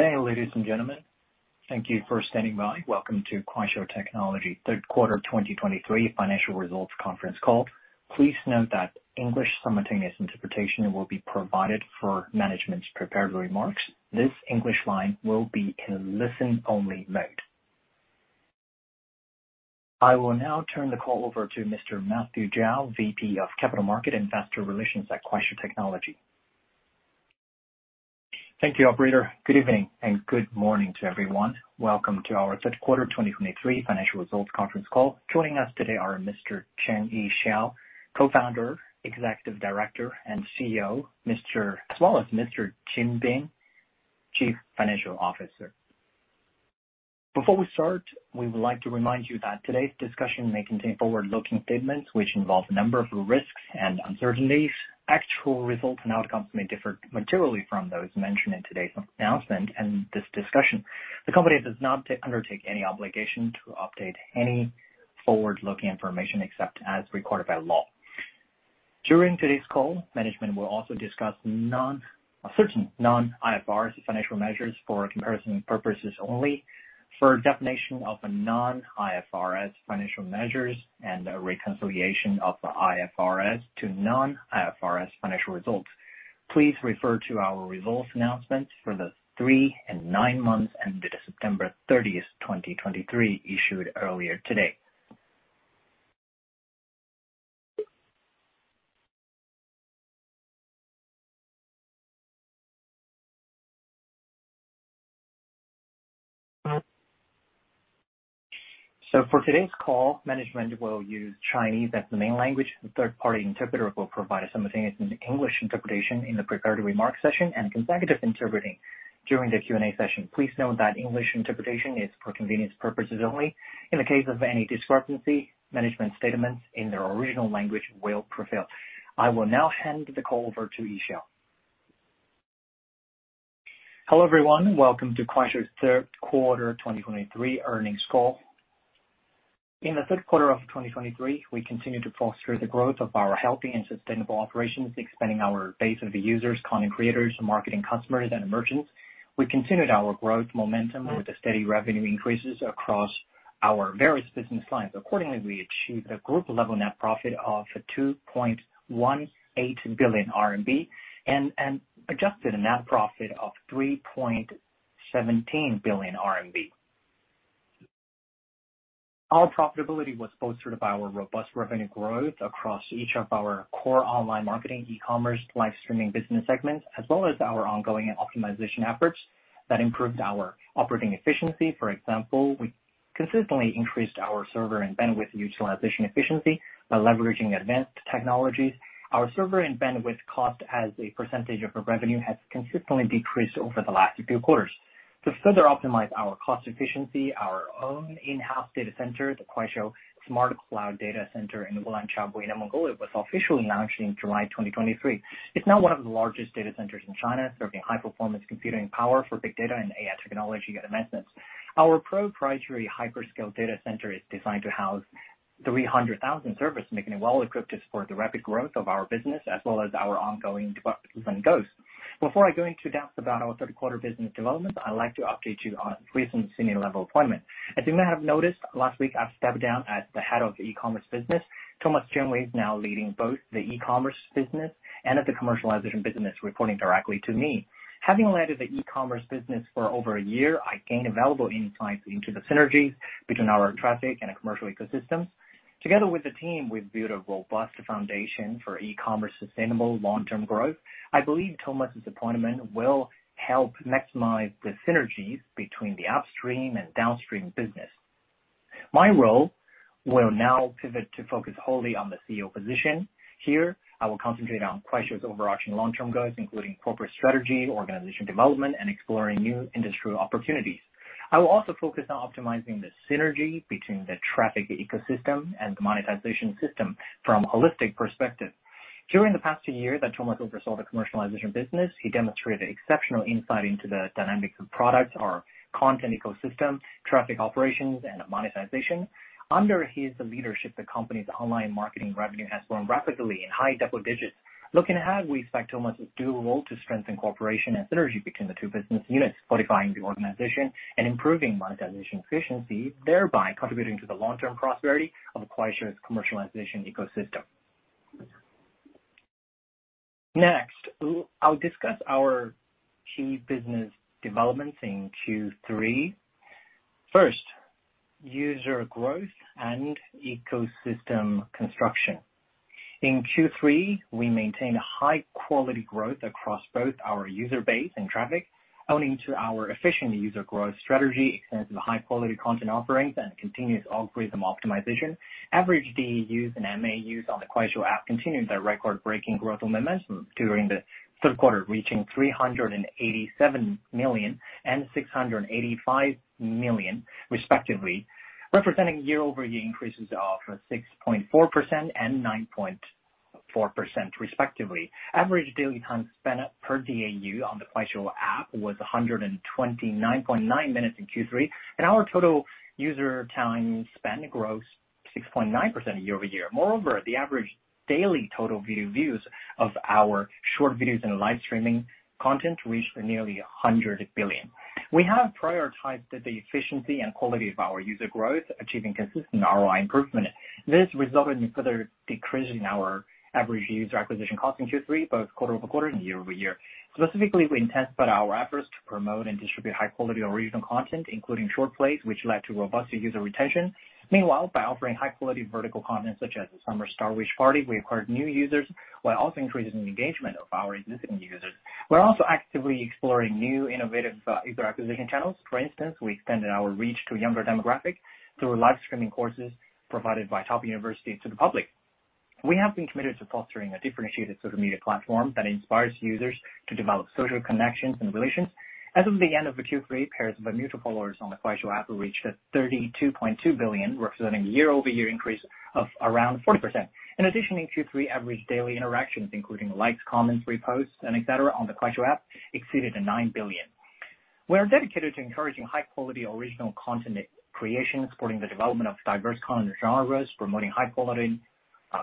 Good day, ladies and gentlemen. Thank you for standing by. Welcome to Kuaishou Technology Q3 2023 financial results conference call. Please note that English simultaneous interpretation will be provided for management's prepared remarks. This English line will be in listen-only mode. I will now turn the call over to Mr. Matthew Zhao, VP of Capital Market Investor Relations at Kuaishou Technology. Thank you, operator. Good evening, and good morning to everyone. Welcome to our Q3 2023 financial results conference call. Joining us today are Mr. Cheng Yixiao, Co-founder, Executive Director, and CEO, as well as Mr. Jin Bing, Chief Financial Officer. Before we start, we would like to remind you that today's discussion may contain forward-looking statements, which involve a number of risks and uncertainties. Actual results and outcomes may differ materially from those mentioned in today's announcement and this discussion. The company does not undertake any obligation to update any forward-looking information except as required by law. During today's call, management will also discuss certain non-IFRS financial measures for comparison purposes only. For a definition of non-IFRS financial measures and a reconciliation of the IFRS to non-IFRS financial results, please refer to our results announcements for the three and nine months ended September 30, 2023, issued earlier today. For today's call, management will use Chinese as the main language. The third-party interpreter will provide a simultaneous English interpretation in the prepared remarks session and consecutive interpreting during the Q&A session. Please note that English interpretation is for convenience purposes only. In the case of any discrepancy, management's statements in their original language will prevail. I will now hand the call over to Yixiao. Hello, everyone. Welcome to Kuaishou's Q3 2023 earnings call.In the Q3 of 2023, we continued to foster the growth of our healthy and sustainable operations, expanding our base of users, content creators, marketing customers, and merchants. We continued our growth momentum with the steady revenue increases across our various business lines. Accordingly, we achieved a group-level net profit of 2.18 billion RMB and adjusted net profit of 3.17 billion RMB. Our profitability was bolstered by our robust revenue growth across each of our core online marketing, e-commerce, live streaming business segments, as well as our ongoing optimization efforts that improved our operating efficiency. For example, we consistently increased our server and bandwidth utilization efficiency by leveraging advanced technologies. Our server and bandwidth cost as a percentage of revenue has consistently decreased over the last few quarters. To further optimize our cost efficiency, our own in-house data center, the Kuaishou Smart Cloud Data Center in Ulanqab, Inner Mongolia, was officially launched in July 2023. It's now one of the largest data centers in China, serving high-performance computing power for big data and AI technology advancements. Our proprietary hyperscale data center is designed to house 300,000 servers, making it well-equipped to support the rapid growth of our business as well as our ongoing development goals. Before I go into depth about our Q3 business development, I'd like to update you on recent senior level appointments. As you may have noticed, last week, I've stepped down as the head of the e-commerce business. Thomas Chong is now leading both the e-commerce business and the commercialization business, reporting directly to me. Having led the e-commerce business for over a year, I gained a valuable insight into the synergies between our traffic and commercial ecosystems. Together with the team, we've built a robust foundation for e-commerce sustainable long-term growth. I believe Thomas's appointment will help maximize the synergies between the upstream and downstream business. My role will now pivot to focus wholly on the CEO position. Here, I will concentrate on Kuaishou's overarching long-term goals, including corporate strategy, organization development, and exploring new industry opportunities. I will also focus on optimizing the synergy between the traffic ecosystem and the monetization system from a holistic perspective. During the past year that Thomas oversaw the commercialization business, he demonstrated exceptional insight into the dynamics of products, our content ecosystem, traffic operations, and monetization. Under his leadership, the company's online marketing revenue has grown rapidly in high double digits. Looking ahead, we expect Thomas's dual role to strengthen cooperation and synergy between the two business units, solidifying the organization and improving monetization efficiency, thereby contributing to the long-term prosperity of Kuaishou's commercialization ecosystem. Next, I'll discuss our key business developments in Q3. First, user growth and ecosystem construction. In Q3, we maintained a high quality growth across both our user base and traffic, owing to our efficient user growth strategy, extensive high-quality content offerings, and continuous algorithm optimization. Average DAUs and MAUs on the Kuaishou app continued their record-breaking growth momentum during the Q3, reaching 387 million and 685 million respectively, representing YoY increases of 6.4% and 9.4% respectively. Average daily time spent per DAU on the Kuaishou app was 129.9 minutes in Q3, and our total user time spent grew 6.9% YoY. Moreover, the average daily total video views of our short videos and live streaming content reached nearly 100 billion. We have prioritized the efficiency and quality of our user growth, achieving consistent ROI improvement. This resulted in further decreasing our average user acquisition cost in Q3, both and YoY. Specifically, we intensified our efforts to promote and distribute high-quality original content, including short plays, which led to robust user retention. Meanwhile, by offering high-quality vertical content such as the Summer Star Wish Party, we acquired new users while also increasing the engagement of our existing users. We're also actively exploring new innovative user acquisition channels. For instance, we extended our reach to a younger demographic through live streaming courses provided by top universities to the public. We have been committed to fostering a differentiated social media platform that inspires users to develop social connections and relations. As of the end of the Q3, pairs of mutual followers on the Kuaishou app reached 32.2 billion, representing a YoY increase of around 40%. In addition, in Q3, average daily interactions, including likes, comments, reposts, and et cetera, on the Kuaishou app exceeded 9 billion. We are dedicated to encouraging high-quality original content creation, supporting the development of diverse content genres, promoting high-quality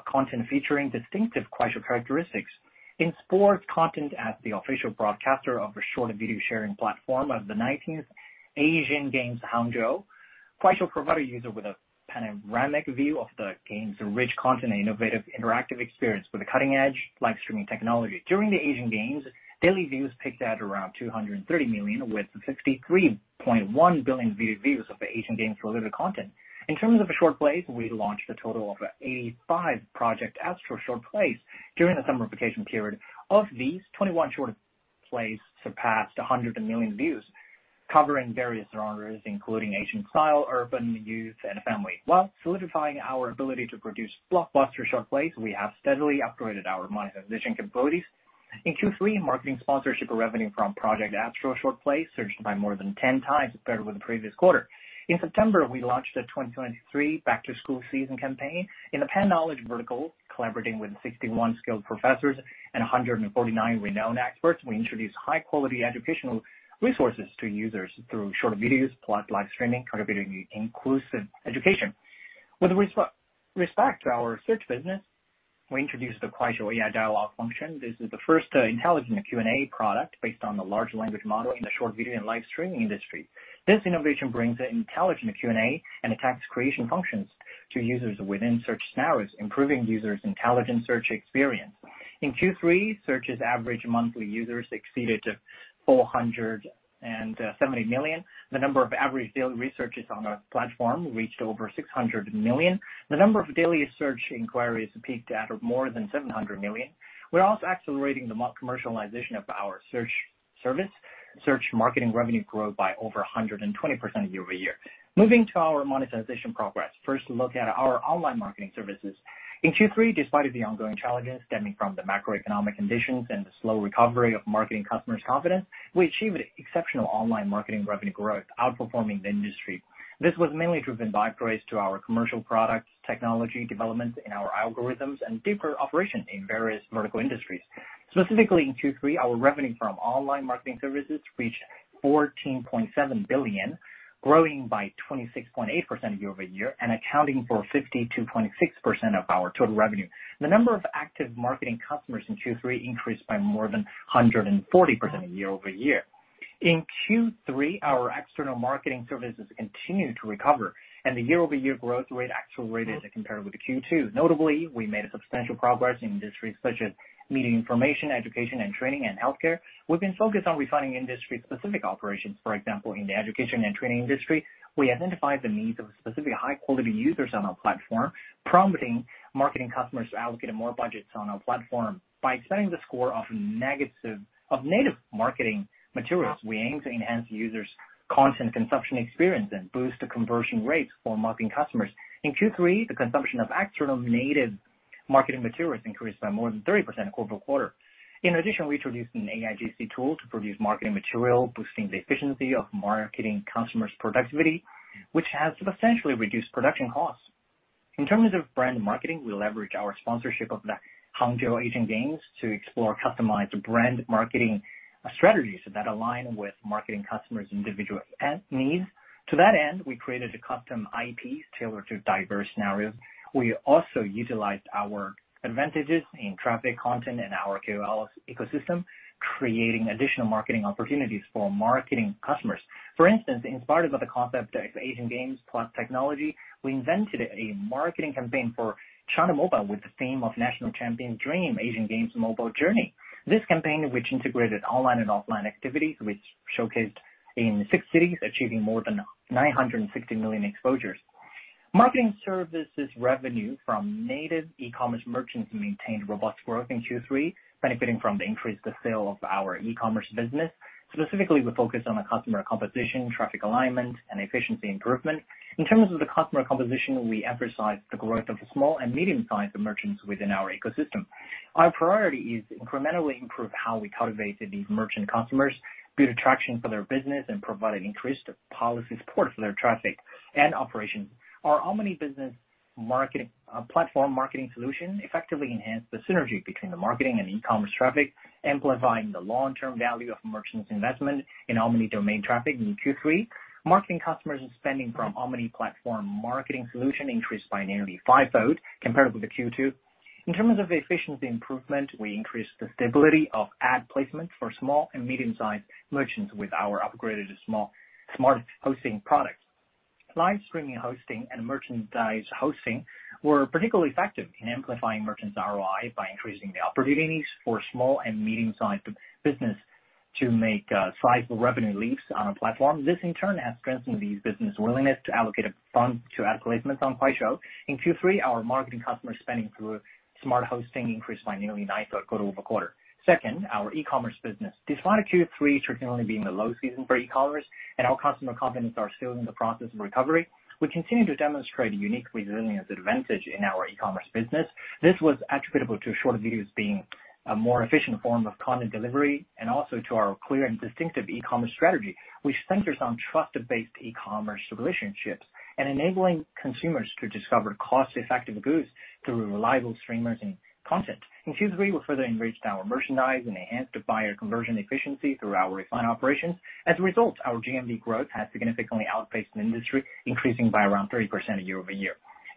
content featuring distinctive Kuaishou characteristics. In sports content, as the official broadcaster of a short video sharing platform of the 19th Asian Games Hangzhou, Kuaishou provided user with a panoramic view of the game's rich content and innovative interactive experience with a cutting-edge live streaming technology. During the Asian Games, daily views peaked at around 230 million, with 63.1 billion views of the Asian Games related content. In terms of the short plays, we launched a total of 85 projects as for short plays during the summer vacation period. Of these, 21 short plays surpassed 100 million views, covering various genres, including Asian style, urban, youth, and family. While solidifying our ability to produce blockbuster short plays, we have steadily upgraded our monetization capabilities. In Q3, marketing sponsorship revenue from Project Astro short plays surged by more than 10 times compared with the previous quarter. In September, we launched the 2023 Back-to-School Season campaign in the pan-knowledge vertical, collaborating with 61 skilled professors and 149 renowned experts. We introduced high-quality educational resources to users through short videos, plus live streaming, contributing to inclusive education. With respect to our search business, we introduced the Kuaishou AI Dialogue function. This is the first intelligent Q&A product based on the large language model in the short video and live streaming industry. This innovation brings an intelligent Q&A and a text creation functions to users within search scenarios, improving users' intelligent search experience. In Q3, searches average monthly users exceeded 470 million. The number of average daily searches on our platform reached over 600 million. The number of daily search inquiries peaked at more than 700 million. We're also accelerating the commercialization of our search service. Search marketing revenue grew by over 120% YoY. Moving to our monetization progress. First, look at our online marketing services. In Q3, despite the ongoing challenges stemming from the macroeconomic conditions and the slow recovery of marketing customers' confidence, we achieved exceptional online marketing revenue growth, outperforming the industry. This was mainly driven by upgrades to our commercial products, technology developments in our algorithms, and deeper operation in various vertical industries. Specifically, in Q3, our revenue from online marketing services reached 14.7 billion, growing by 26.8% YoY, and accounting for 52.6% of our total revenue. The number of active marketing customers in Q3 increased by more than 140% YoY. In Q3, our external marketing services continued to recover, and the YoY growth rate accelerated compared with Q2. Notably, we made a substantial progress in industries such as media, information, education and training, and healthcare. We've been focused on refining industry-specific operations. For example, in the education and training industry, we identified the needs of specific high-quality users on our platform, prompting marketing customers to allocate more budgets on our platform. By setting the score of negative- of native marketing materials, we aim to enhance users' content consumption experience and boost the conversion rates for marketing customers. In Q3, the consumption of external native marketing materials increased by more than 30%QoQ. In addition, we introduced an AIGC tool to produce marketing material, boosting the efficiency of marketing customers' productivity, which has substantially reduced production costs. In terms of brand marketing, we leverage our sponsorship of the Hangzhou Asian Games to explore customized brand marketing strategies that align with marketing customers' individual end needs. To that end, we created a custom IP tailored to diverse scenarios. We also utilized our advantages in traffic, content, and our KOLs ecosystem, creating additional marketing opportunities for marketing customers. For instance, inspired by the concept of Asian Games plus technology, we invented a marketing campaign for China Mobile with the theme of National Champion Dream, Asian Games Mobile Journey. This campaign, which integrated online and offline activities, which showcased in 6 cities, achieving more than 960 million exposures. Marketing services revenue from native e-commerce merchants maintained robust growth in Q3, benefiting from the increased sale of our e-commerce business. Specifically, we focused on the customer composition, traffic alignment, and efficiency improvement. In terms of the customer composition, we emphasized the growth of small and medium-sized merchants within our ecosystem. Our priority is to incrementally improve how we cultivate these merchant customers, build attraction for their business, and provide an increased policy support for their traffic and operations. Our Omni-platform marketing solution effectively enhanced the synergy between the marketing and e-commerce traffic, amplifying the long-term value of merchants' investment in Omni domain traffic in Q3. Marketing customers' spending from Omni platform marketing solution increased by nearly fivefold compared with the Q2. In terms of efficiency improvement, we increased the stability of ad placement for small and medium-sized merchants with our upgraded Small Smart Hosting product. Live streaming Hosting and Merchandise Hosting were particularly effective in amplifying merchants' ROI by increasing the opportunities for small and medium-sized business to make sizable revenue leaps on our platform. This, in turn, has strengthened these business willingness to allocate a fund to ad placements on Kuaishou. In Q3, our marketing customer spending through smart hosting increased by nearly 9%QoQ. Second, our e-commerce business. Despite Q3 traditionally being the low season for e-commerce, and our customer confidence are still in the process of recovery, we continue to demonstrate a unique resilience advantage in our e-commerce business. This was attributable to short videos being a more efficient form of content delivery, and also to our clear and distinctive e-commerce strategy, which centers on trusted-based e-commerce relationships and enabling consumers to discover cost-effective goods through reliable streamers and content. In Q3, we further enriched our merchandise and enhanced the buyer conversion efficiency through our refined operations. As a result, our GMV growth has significantly outpaced the industry, increasing by around 30% YoY.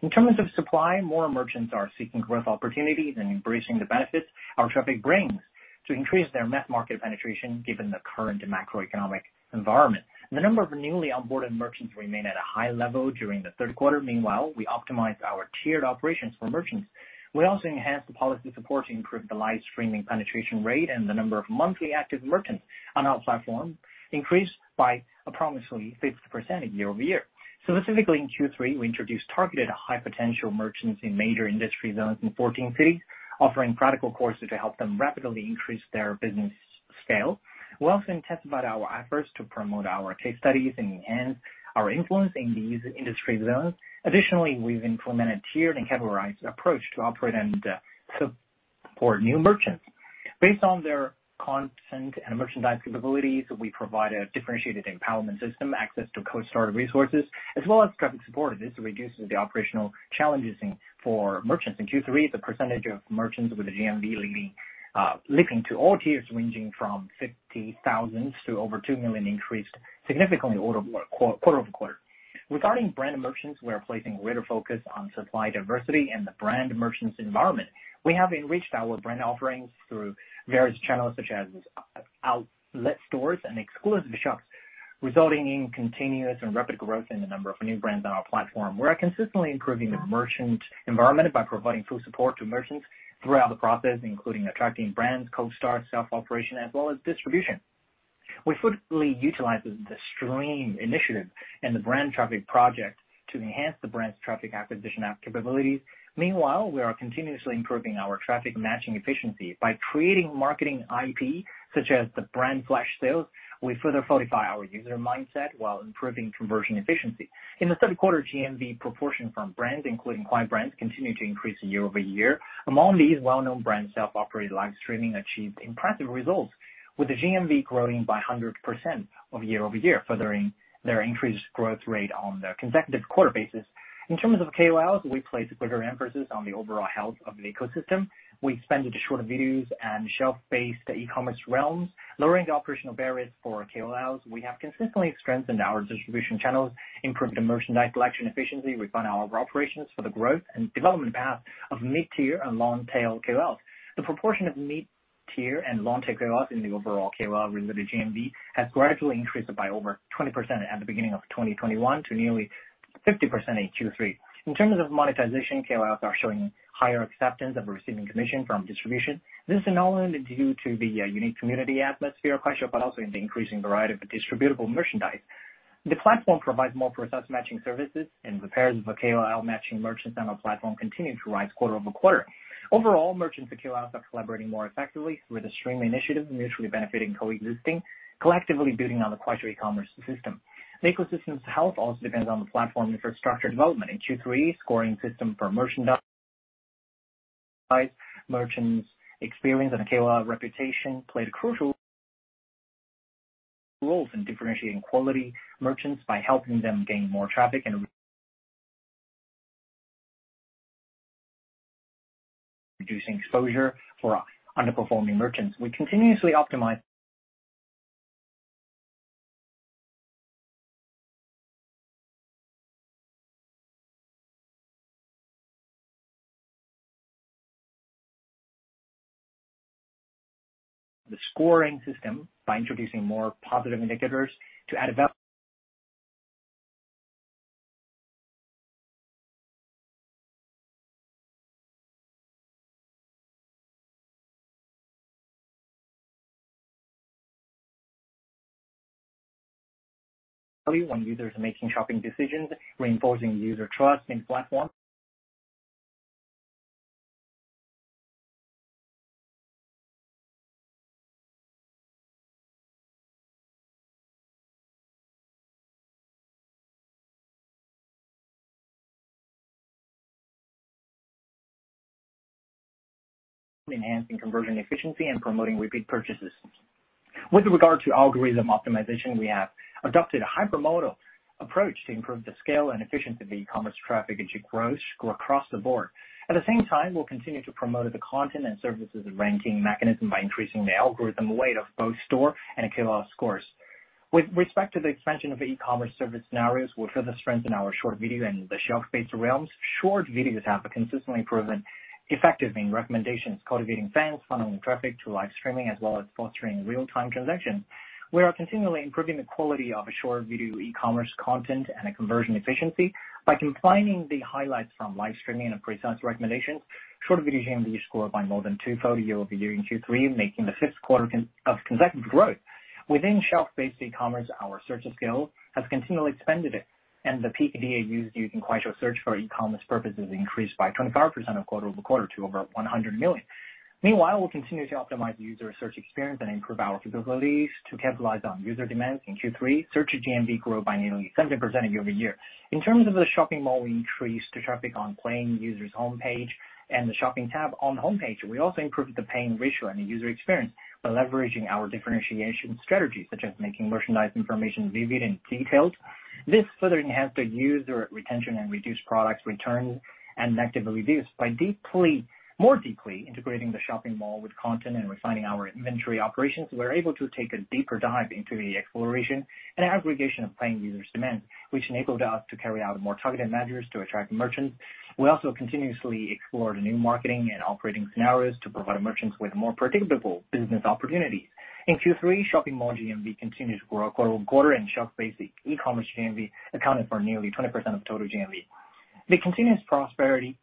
In terms of supply, more merchants are seeking growth opportunities and embracing the benefits our traffic brings to increase their net market penetration, given the current macroeconomic environment. The number of newly onboarded merchants remained at a high level during the Q3. Meanwhile, we optimized our tiered operations for merchants. We also enhanced the policy support to improve the live streaming penetration rate and the number of monthly active merchants on our platform, increased by approximately 50%YoY. Specifically, in Q3, we introduced targeted high potential merchants in major industry zones in 14 cities, offering practical courses to help them rapidly increase their business scale. We also intensified our efforts to promote our case studies and enhance our influence in these industry zones. Additionally, we've implemented tiered and categorized approach to operate and support new merchants. Based on their content and merchandise capabilities, we provide a differentiated empowerment system, access to cold start resources, as well as traffic support. This reduces the operational challenges for merchants. In Q3, the percentage of merchants with a GMV leaping to all tiers, ranging from 50,000 to over 2 million, increased significantlyQoQ. Regarding brand merchants, we are placing greater focus on supply diversity and the brand merchants environment. We have enriched our brand offerings through various channels, such as outlet stores and exclusive shops, resulting in continuous and rapid growth in the number of new brands on our platform. We are consistently improving the merchant environment by providing full support to merchants throughout the process, including attracting brands, cold start, self-operation, as well as distribution. We fully utilize the Stream Initiative and the Brand Traffic Project to enhance the brand's traffic acquisition app capabilities. Meanwhile, we are continuously improving our traffic matching efficiency. By creating marketing IP, such as the Brand Flash Sales, we further fortify our user mindset while improving conversion efficiency. In the Q3, GMV proportion from brands, including Kuai Brands, continued to increase YoY. Among these, well-known brands, self-operated live streaming achieved impressive results, with the GMV growing by 100% YoY, furthering their increased growth rate on the consecutive quarter basis. In terms of KOLs, we placed a bigger emphasis on the overall health of the ecosystem. We expanded to short videos and shelf-based e-commerce realms, lowering the operational barriers for KOLs. We have consistently strengthened our distribution channels, improved the merchandise collection efficiency, refined our operations for the growth and development path of mid-tier and long-tail KOLs. The proportion of mid-tier and long-tail KOLs in the overall KOL related GMV has gradually increased by over 20% at the beginning of 2021 to nearly 50% in Q3. In terms of monetization, KOLs are showing higher acceptance of receiving commission from distribution. This is not only due to the unique community atmosphere of Kuaishou, but also in the increasing variety of distributable merchandise. The platform provides more precise matching services, and the pairs of KOL matching merchants on our platform continue to riseQoQ. Overall, merchants and KOLs are collaborating more effectively through the stream initiative, mutually benefiting, coexisting, collectively building on the Kuaishou e-commerce system. The ecosystem's health also depends on the platform infrastructure development. In Q3, scoring system for merchandise, merchants' experience, and the KOL reputation played a crucial roles in differentiating quality merchants by helping them gain more traffic and reducing exposure for underperforming merchants. We continuously optimize the scoring system by introducing more positive indicators to add value when users are making shopping decisions, reinforcing user trust in the platform, enhancing conversion efficiency, and promoting repeat purchases. With regard to algorithm optimization, we have adopted a hypermodal approach to improve the scale and efficiency of the e-commerce traffic, as it grows across the board. At the same time, we'll continue to promote the content and services ranking mechanism by increasing the algorithm weight of both store and KOL scores.... With respect to the expansion of e-commerce service scenarios, we'll further strengthen our short video and the shelf-based realms. Short videos have consistently proven effective in recommendations, cultivating fans, funneling traffic to live streaming, as well as fostering real-time transactions. We are continually improving the quality of short video e-commerce content and conversion efficiency by combining the highlights from live streaming and precise recommendations. Short video GMV grew by more than twofold YoY in Q3, making the fifth quarter of consecutive growth. Within shelf-based e-commerce, our search SKU has continually expanded, and the DAUs using Kuaishou search for e-commerce purposes increased by 25%QoQ to over 100 million. Meanwhile, we'll continue to optimize user search experience and improve our capabilities to capitalize on user demands. In Q3, search GMV grew by nearly 70% YoY. In terms of the Shopping Mall, we increased the traffic on paying users' homepage and the shopping tab on the homepage. We also improved the paying ratio and the user experience by leveraging our differentiation strategy, such as making merchandise information vivid and detailed. This further enhanced the user retention and reduced product returns and negatively reduced by deeply, more deeply integrating the shopping mall with content and refining our inventory operations. We're able to take a deeper dive into the exploration and aggregation of paying users' demand, which enabled us to carry out more targeted measures to attract merchants. We also continuously explored new marketing and operating scenarios to provide merchants with more predictable business opportunities. In Q3, shopping mall GMV continued to growQoQ, and shelf-based e-commerce GMV accounted for nearly 20% of total GMV. The continuous prosperity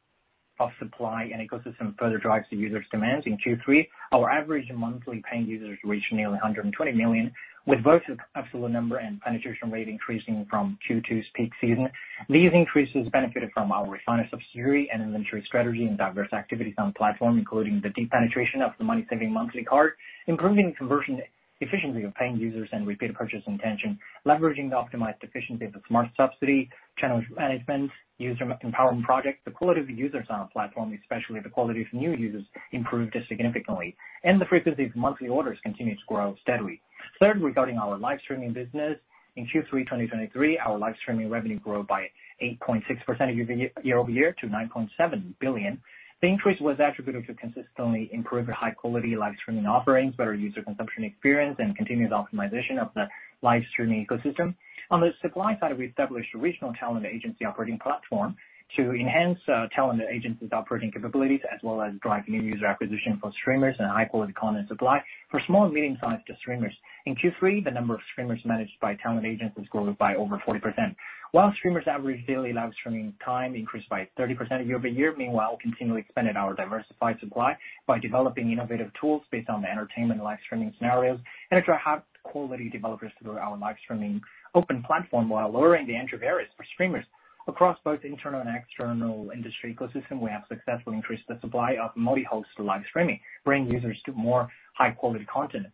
of supply and ecosystem further drives the users' demands. In Q3, our average monthly paying users reached nearly 120 million, with both the absolute number and penetration rate increasing from Q2's peak season. These increases benefited from our refined subsidy and inventory strategy and diverse activities on the platform, including the deep penetration of the Money-Saving Monthly Card, improving conversion efficiency of paying users, and repeat purchase intention, leveraging the optimized efficiency of the smart subsidy, channel management, User Empowerment Project. The quality of users on our platform, especially the quality of new users, improved significantly, and the frequency of monthly orders continued to grow steadily. Third, regarding our live streaming business, in Q3 2023, our live streaming revenue grew by 8.6%YoY, YoY to 9.7 billion. The increase was attributable to consistently improving high-quality live streaming offerings, better user consumption experience, and continuous optimization of the live streaming ecosystem. On the supply side, we established a regional talent agency operating platform to enhance talent agencies' operating capabilities, as well as drive new user acquisition for streamers and high-quality content supply for small and medium-sized streamers. In Q3, the number of streamers managed by talent agencies grew by over 40%, while streamers' average daily live streaming time increased by 30%YoY. Meanwhile, we continually expanded our diversified supply by developing innovative tools based on the entertainment and live streaming scenarios, and attract high-quality developers to our live streaming open platform, while lowering the entry barriers for streamers. Across both internal and external industry ecosystem, we have successfully increased the supply of multi-host live streaming, bringing users to more high-quality content.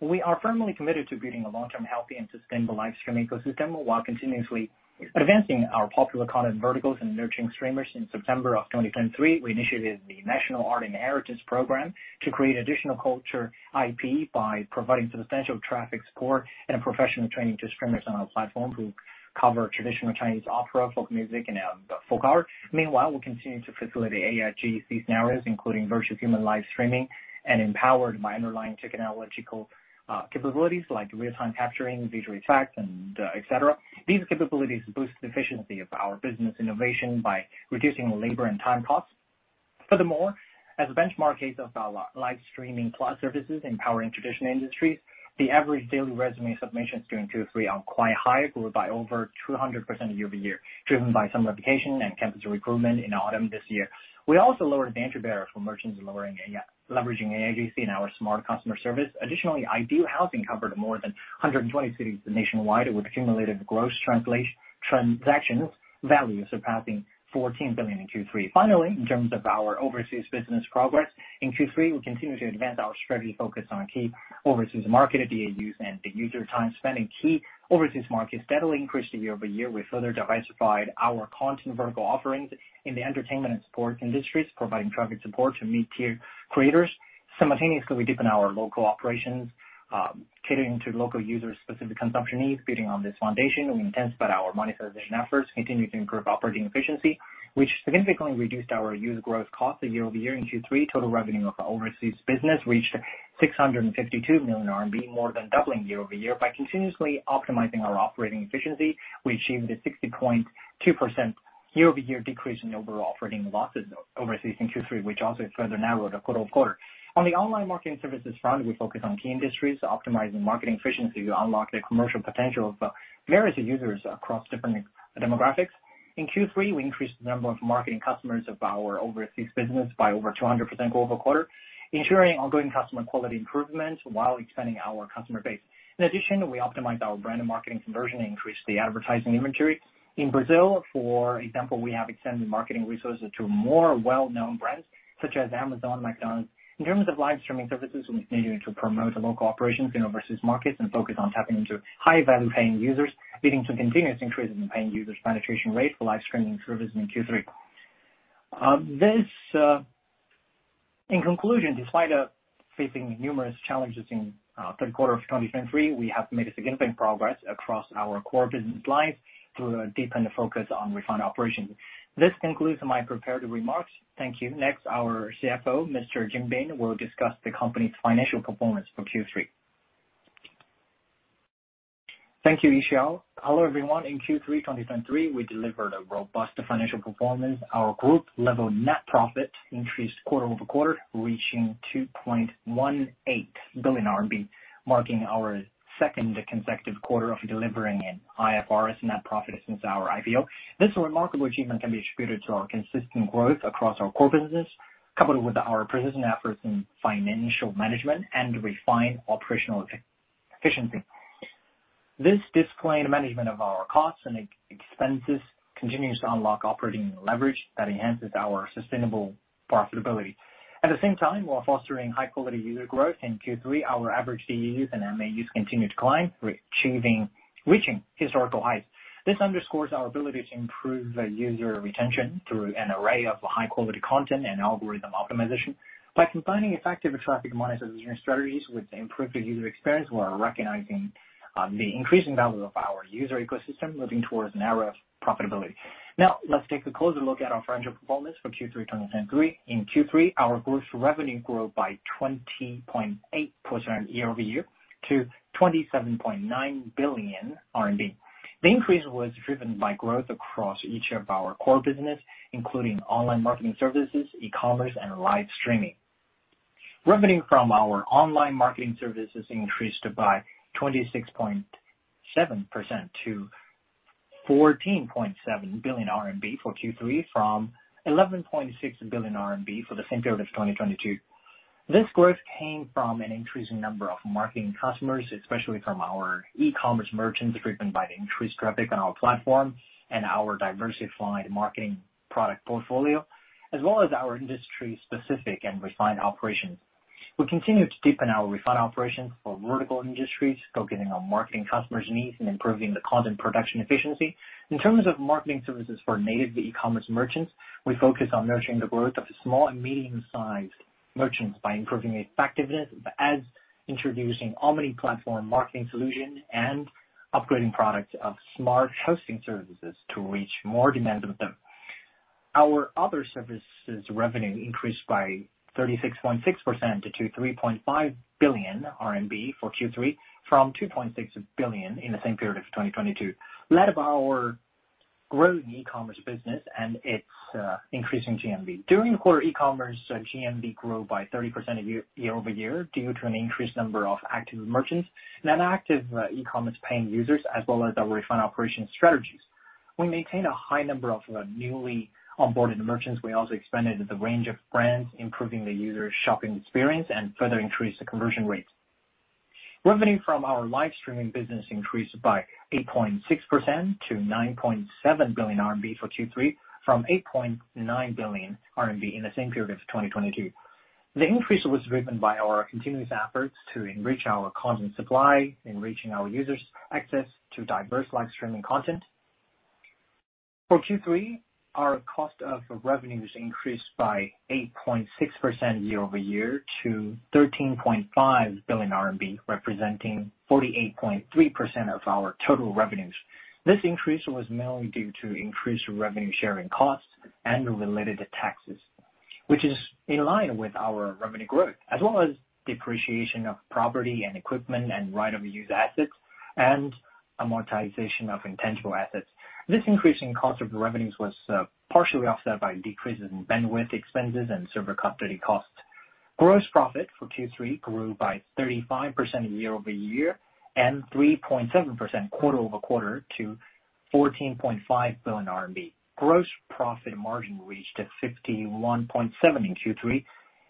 We are firmly committed to building a long-term, healthy, and sustainable live stream ecosystem, while continuously advancing our popular content verticals and nurturing streamers. In September of 2023, we initiated the National Art and Heritage Program to create additional culture IP by providing substantial traffic support and professional training to streamers on our platform who cover traditional Chinese opera, folk music, and folk art. Meanwhile, we'll continue to facilitate AIGC scenarios, including virtual human live streaming and empowered by underlying technological capabilities like real-time capturing, visual effects, and et cetera. These capabilities boost the efficiency of our business innovation by reducing labor and time costs. Furthermore, as a benchmark case of our Live Streaming Plus services empowering traditional industries, the average daily resume submissions during Q3 are quite high, grew by over 200% YoY, driven by Spring Recruitment and campus recruitment in autumn this year. We also lowered the entry barrier for merchants, by leveraging AIGC in our smart customer service. Additionally, Ideal Housing covered more than 120 cities nationwide, with accumulated gross transaction value surpassing 14 billion in Q3. Finally, in terms of our overseas business progress, in Q3, we continued to advance our strategic focus on key overseas market DAUs and the user time spent in key overseas markets steadily increased YoY. We further diversified our content vertical offerings in the entertainment and sports industries, providing traffic support to mid-tier creators. Simultaneously, we deepen our local operations, catering to local users' specific consumption needs. Building on this foundation, we intensified our monetization efforts, continuing to improve operating efficiency, which significantly reduced our user growth cost YoY. In Q3, total revenue of our overseas business reached 652 million RMB, more than doubling YoY. By continuously optimizing our operating efficiency, we achieved a 60.2% YoY decrease in overall operating losses overseas in Q3, which also further narrowed theQoQ. On the online marketing services front, we focus on key industries, optimizing marketing efficiency to unlock the commercial potential of various users across different demographics. In Q3, we increased the number of marketing customers of our overseas business by over 200%QoQ, ensuring ongoing customer quality improvement while expanding our customer base. In addition, we optimized our brand and marketing conversion and increased the advertising inventory. In Brazil, for example, we have extended marketing resources to more well-known brands, such as Amazon, McDonald's. In terms of live streaming services, we continue to promote local operations in overseas markets and focus on tapping into high-value paying users, leading to continuous increases in paying users' penetration rate for live streaming services in Q3. In conclusion, despite facing numerous challenges in Q3 of 2023, we have made significant progress across our core business lines through a deepened focus on refined operations. This concludes my prepared remarks. Thank you. Next, our CFO, Mr. Jin Bing, will discuss the company's financial performance for Q3. Thank you, Yixiao. Hello, everyone. In Q3 2023, we delivered a robust financial performance. Our group level net profit increased quarter over quarter, reaching 2.18 billion RMB, marking our second consecutive quarter of delivering an IFRS net profit since our IPO. This remarkable achievement can be attributed to our consistent growth across our core business, coupled with our persistent efforts in financial management and refined operational efficiency. This disciplined management of our costs and expenses continues to unlock operating leverage that enhances our sustainable profitability. At the same time, while fostering high quality user growth, in Q3, our average DAUs and MAUs continued to climb, reaching historical highs. This underscores our ability to improve the user retention through an array of high quality content and algorithm optimization. By combining effective traffic monetization strategies with improved user experience, we are recognizing the increasing value of our user ecosystem, moving towards an era of profitability. Now, let's take a closer look at our financial performance for Q3 2023. In Q3, our group's revenue grew by 20.8% YoY to 27.9 billion RMB. The increase was driven by growth across each of our core business, including online marketing services, e-commerce, and live streaming. Revenue from our online marketing services increased by 26.7% to 14.7 billion RMB for Q3, from 11.6 billion RMB for the same period of 2022. This growth came from an increasing number of marketing customers, especially from our e-commerce merchants, driven by the increased traffic on our platform and our diversified marketing product portfolio, as well as our industry specific and refined operations. We continue to deepen our refined operations for vertical industries, focusing on marketing customers' needs and improving the content production efficiency. In terms of marketing services for native e-commerce merchants, we focus on nurturing the growth of small and medium-sized merchants by improving the effectiveness, as introducing omni-platform marketing solution and upgrading products of smart hosting services to reach more demand of them. Our other services revenue increased by 36.6% to 3.5 billion RMB for Q3, from 2.6 billion CNY in the same period of 2022. Led by our growing e-commerce business and its increasing GMV. During the quarter, e-commerce GMV grew by 30% YoY, due to an increased number of active merchants and active e-commerce paying users, as well as our refined operation strategies. We maintain a high number of newly onboarded merchants. We also expanded the range of brands, improving the user shopping experience, and further increased the conversion rates. Revenue from our live streaming business increased by 8.6% to 9.7 billion RMB for Q3, from 8.9 billion RMB in the same period of 2022. The increase was driven by our continuous efforts to enrich our content supply, enriching our users' access to diverse live streaming content. For Q3, our cost of revenues increased by 8.6%YoY to 13.5 billion RMB, representing 48.3% of our total revenues. This increase was mainly due to increased revenue sharing costs and related taxes, which is in line with our revenue growth, as well as depreciation of property and equipment and right of use assets and amortization of intangible assets. This increase in cost of revenues was partially offset by decreases in bandwidth expenses and server capacity costs. Gross profit for Q3 grew by 35% YoY, and 3.7%QoQ to 14.5 billion RMB. Gross profit margin reached at 51.7 in Q3,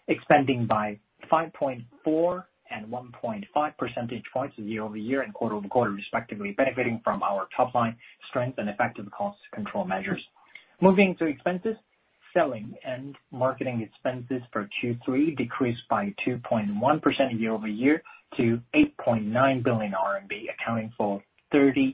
expanding by 5.4 and 1.5 percentage points YoY and QoQ, respectively, benefiting from our top line strength and effective cost control measures. Moving to expenses. Selling and marketing expenses for Q3 decreased by 2.1% YoY to CNY 8.9 billion, accounting for 32%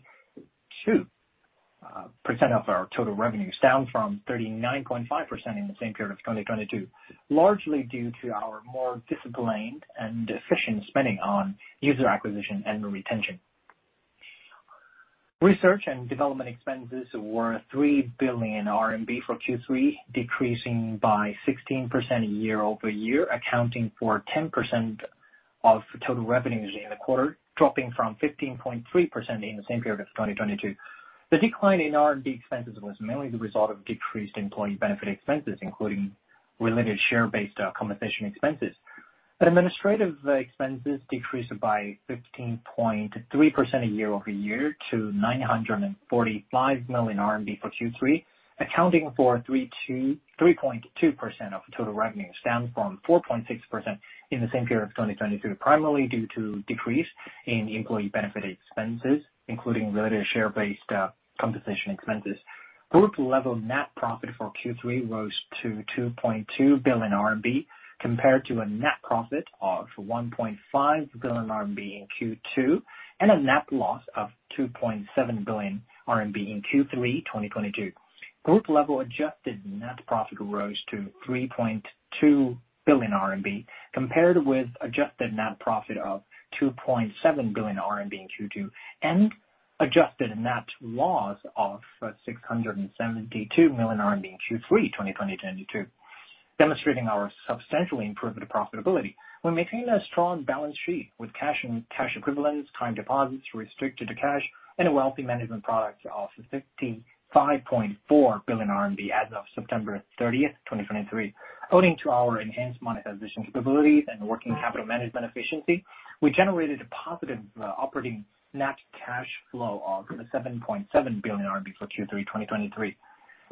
of our total revenues, down from 39.5% in the same period of 2022, largely due to our more disciplined and efficient spending on user acquisition and retention. Research and development expenses were 3 billion RMB for Q3, decreasing by 16% YoY, accounting for 10% of total revenues in the quarter, dropping from 15.3% in the same period of 2022. The decline in R&D expenses was mainly the result of decreased employee benefit expenses, including related share-based compensation expenses. Administrative expenses decreased by 15.3% YoY to 945 million RMB for Q3, accounting for 3.2% of total revenues, down from 4.6% in the same period of 2022, primarily due to decrease in employee benefit expenses, including related share-based compensation expenses. Group level net profit for Q3 rose to 2.2 billion RMB, compared to a net profit of 1.5 billion RMB in Q2, and a net loss of 2.7 billion RMB in Q3 2022. Group level adjusted net profit rose to 3.2 billion RMB, compared with adjusted net profit of 2.7 billion RMB in Q2, and adjusted net loss of 672 million RMB in Q3 2022, demonstrating our substantially improved profitability. We maintain a strong balance sheet with cash and cash equivalents, time deposits restricted to cash and wealth management products of 55.4 billion RMB as of September 30, 2023. Owing to our enhanced monetization capabilities and working capital management efficiency, we generated a positive operating net cash flow of 7.7 billion RMB for Q3 2023.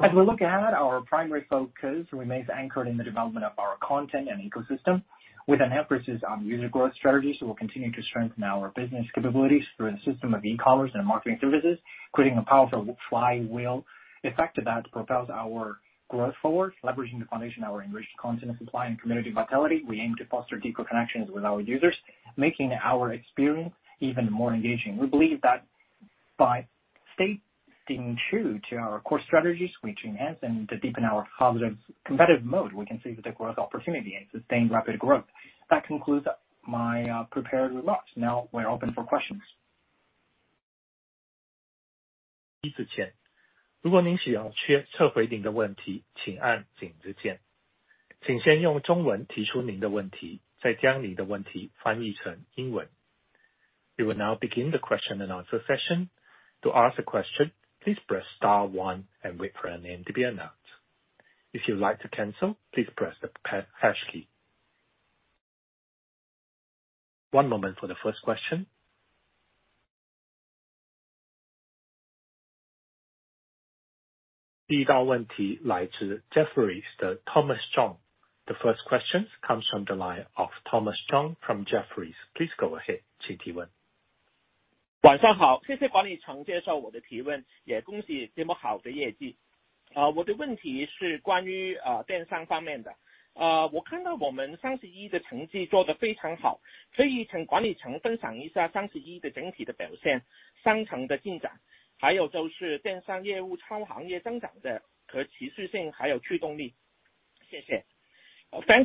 As we look ahead, our primary focus remains anchored in the development of our content and ecosystem, with an emphasis on user growth strategies. We'll continue to strengthen our business capabilities through a system of e-commerce and marketing services, creating a powerful flywheel effect that propels our growth forward. Leveraging the foundation of our enriched content supply and community vitality, we aim to foster deeper connections with our users, making our experience even more engaging. We believe that by staying true to our core strategies, we enhance and to deepen our positive competitive mode, we can seize the growth opportunity and sustain rapid growth. That concludes my prepared remarks. Now we're open for questions. We will now begin the question and answer session. To ask a question, please press star one and wait for your name to be announced. If you'd like to cancel, please press the pound hash key. One moment for the first question. The first question comes from the line of Thomas Chong from Jefferies. Please go ahead. Thanks,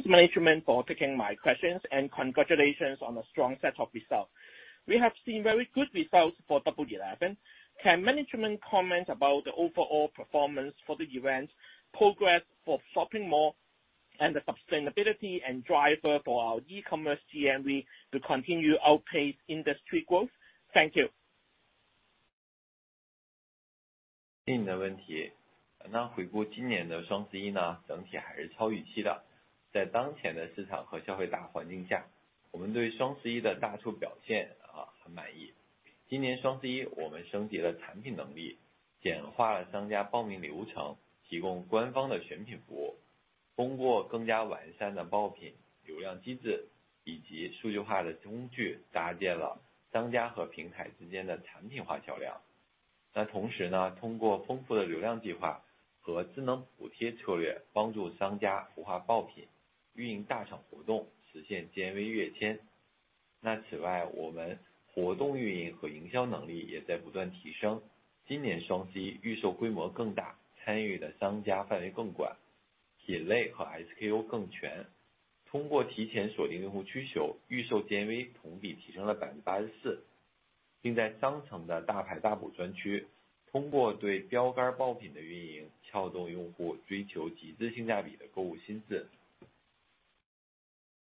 management, for taking my questions and congratulations on a strong set of results. We have seen very good results for Double Eleven. Can management comment about the overall performance for the event, progress for shopping mall, and the sustainability and driver for our e-commerce GMV to continue to outpace industry growth? Thank you.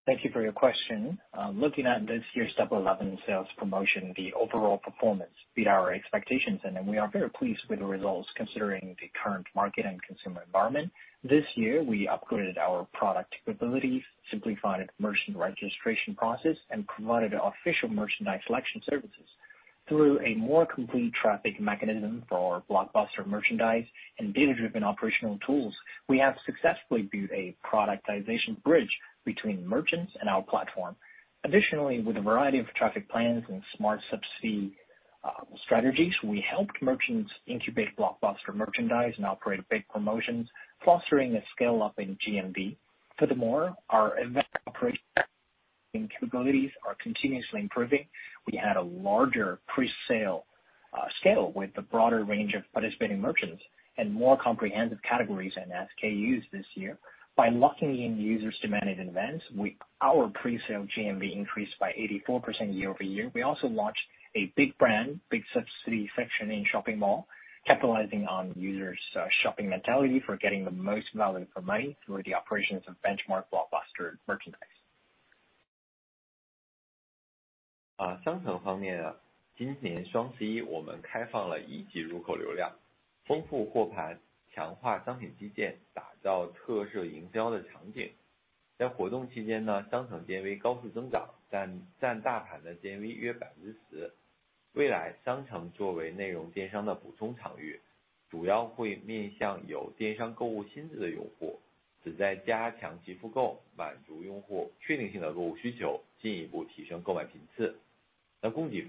Thank you for your question. Looking at this year's Double Eleven sales promotion, the overall performance beat our expectations, and we are very pleased with the results considering the current market and consumer environment. This year, we upgraded our product capabilities, simplified merchant registration process, and provided official merchandise selection services. Through a more complete traffic mechanism for our blockbuster merchandise and data-driven operational tools, we have successfully built a productization bridge between merchants and our platform. Additionally, with a variety of traffic plans and smart subsidy strategies, we helped merchants incubate blockbuster merchandise and operate big promotions, fostering a scale up in GMV. Furthermore, our event operation capabilities are continuously improving. We had a larger pre-sale scale with a broader range of participating merchants and more comprehensive categories and SKUs this year. By locking in user's demanded events, our pre-sale GMV increased by 84% YoY. We also launched a Big Brand, Big Subsidy section in shopping mall, capitalizing on users' shopping mentality for getting the most value for money through the operations of benchmark blockbuster merchandise. In terms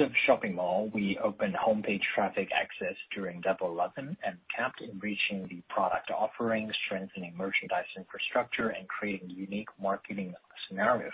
of shopping mall, we opened homepage traffic access during Double Eleven and kept enriching the product offerings, strengthening merchandise infrastructure, and creating unique marketing scenarios.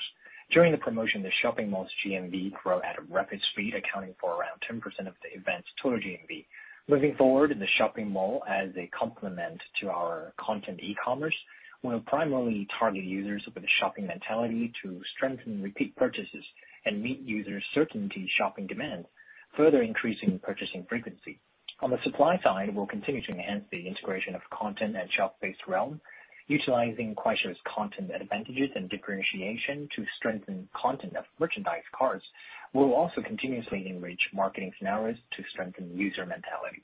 During the promotion, the shopping mall's GMV grew at a rapid speed, accounting for around 10% of the event's total GMV.... Moving forward in the shopping mall as a complement to our content e-commerce, we'll primarily target users with a shopping mentality to strengthen repeat purchases and meet users' certainty shopping demands, further increasing purchasing frequency. On the supply side, we'll continue to enhance the integration of content and shop-based realm, utilizing Kuaishou's content advantages and differentiation to strengthen content of merchandise cards. We will also continuously enrich marketing scenarios to strengthen user mentality.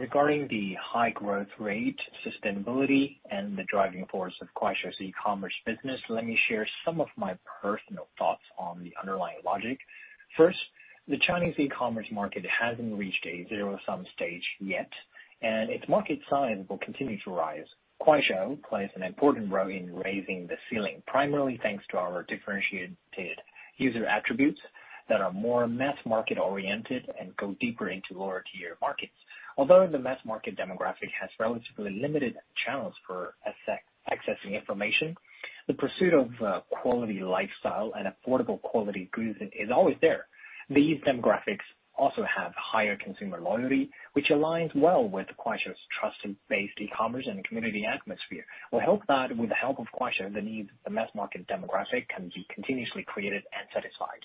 Regarding the high growth rate, sustainability, and the driving force of Kuaishou's e-commerce business, let me share some of my personal thoughts on the underlying logic. First, the Chinese e-commerce market hasn't reached a zero-sum stage yet, and its market size will continue to rise. Kuaishou plays an important role in raising the ceiling, primarily thanks to our differentiated user attributes that are more mass market-oriented and go deeper into lower tier markets. Although the mass market demographic has relatively limited channels for accessing information, the pursuit of quality, lifestyle and affordable quality goods is always there. These demographics also have higher consumer loyalty, which aligns well with Kuaishou's trust-based e-commerce and community atmosphere. We hope that with the help of Kuaishou, the needs of the mass market demographic can be continuously created and satisfied.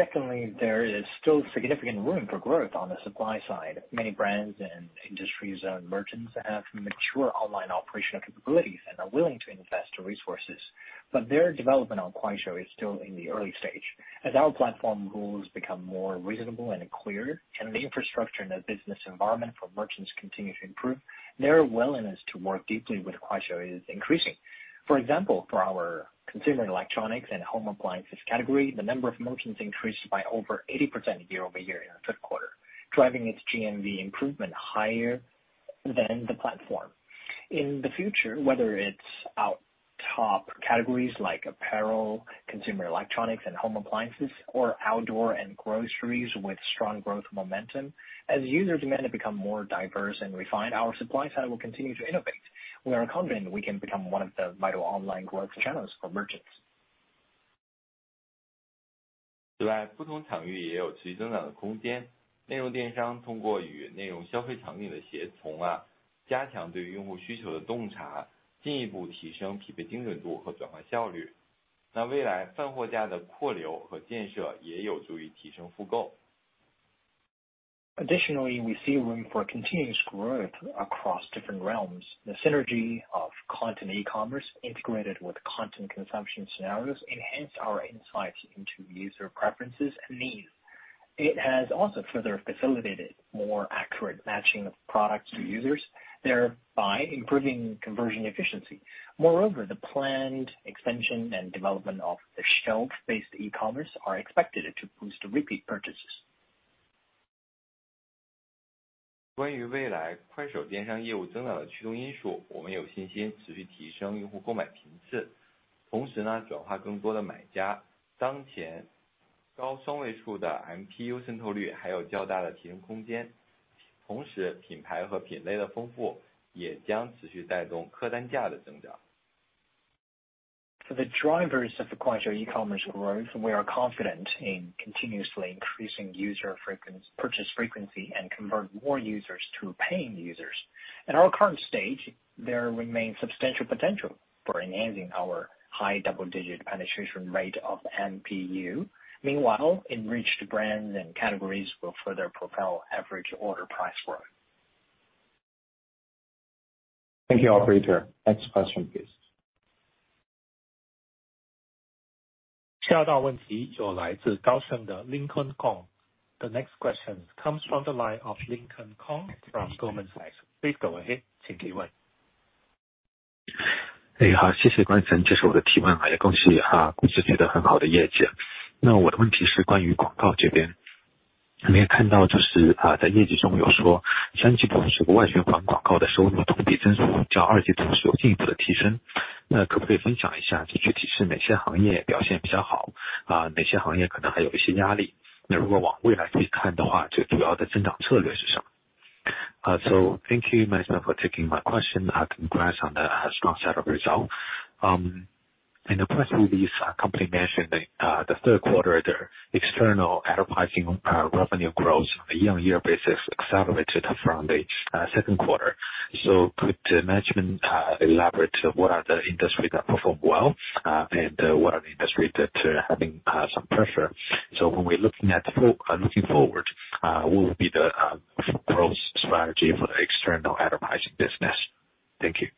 Secondly, there is still significant room for growth on the supply side. Many brands and industry's own merchants have mature online operational capabilities and are willing to invest resources, but their development on Kuaishou is still in the early stage. As our platform rules become more reasonable and clear, and the infrastructure and the business environment for merchants continue to improve, their willingness to work deeply with Kuaishou is increasing. For example, for our consumer electronics and home appliances category, the number of merchants increased by over 80% YoY in the Q3, driving its GMV improvement higher than the platform. In the future, whether it's our top categories like apparel, consumer electronics and home appliances, or outdoor and groceries with strong growth momentum. As users demand to become more diverse and refined, our supply side will continue to innovate. We are confident we can become one of the vital online growth channels for merchants. 此外，不同领域也有持续增长的空间。内容电商通过与内容消费场景的协同，加强对用户需求的洞察，进一步提升匹配精准度和转化效率，那未来泛货架的扩流和建设也有助于提升复购。Additionally, we see room for continuous growth across different realms. The synergy of content e-commerce integrated with content consumption scenarios enhanced our insights into user preferences and needs. It has also further facilitated more accurate matching of products to users, thereby improving conversion efficiency. Moreover, the planned expansion and development of the shelf-based e-commerce are expected to boost repeat purchases. For the drivers of the Kuaishou e-commerce growth, we are confident in continuously increasing user purchase frequency and convert more users to paying users. At our current stage, there remains substantial potential for enhancing our high double digit penetration rate of MPU. Meanwhile, enriched brands and categories will further propel average order price growth. Thank you, operator. Next question, please. 下一道问题又来自高盛的 Lincoln Kong. The next question comes from the line of Lincoln Kong from Goldman Sachs. Please go ahead, 请提问。哎，好，谢谢关先生接受我的提问，也恭喜啊，第四季的很好的业绩。那我的问题是关于广告这边。...我们也看到，就是，在业绩中有说，三季度这个外循环广告的收入同比增速较二季度有进一步的提升。那可不可以分享一下，具体是哪些行业表现比较好，啊，哪些行业可能还有一些压力？那如果往未来可以看的话，最主要的增长策略是什么？ So thank you for taking my question. I congratulate on the strong set of results. In the press release company mentioned that the Q3 the external advertising revenue growth on a year-on-year basis accelerated from the Q2. So could management elaborate what are the industries that perform well and what are the industries that are having some pressure? So when we're looking forward what will be the growth strategy for the external advertising business? Thank you.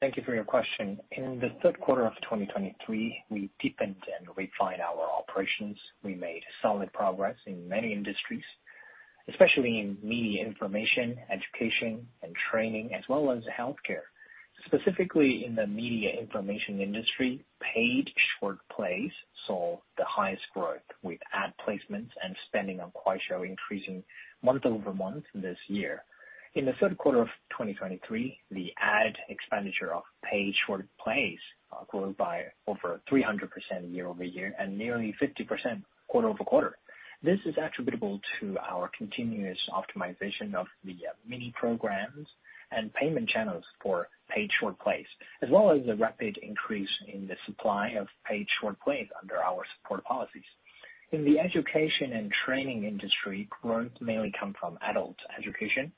Thank you for your question. In the Q3 of 2023, we deepened and refined our operations. We made solid progress in many industries, especially in media, information, education and training, as well as healthcare. Specifically in the media information industry, paid short plays saw the highest growth, with ad placements and spending on Kuaishou, increasing month-over-month this year. In the Q3 of 2023, the ad expenditure of paid short plays grew by over 300% YoY and nearly 50%QoQ. This is attributable to our continuous optimization of the mini programs and payment channels for paid short plays, as well as the rapid increase in the supply of paid short plays under our support policies. In the education and training industry, growth mainly come from adult education.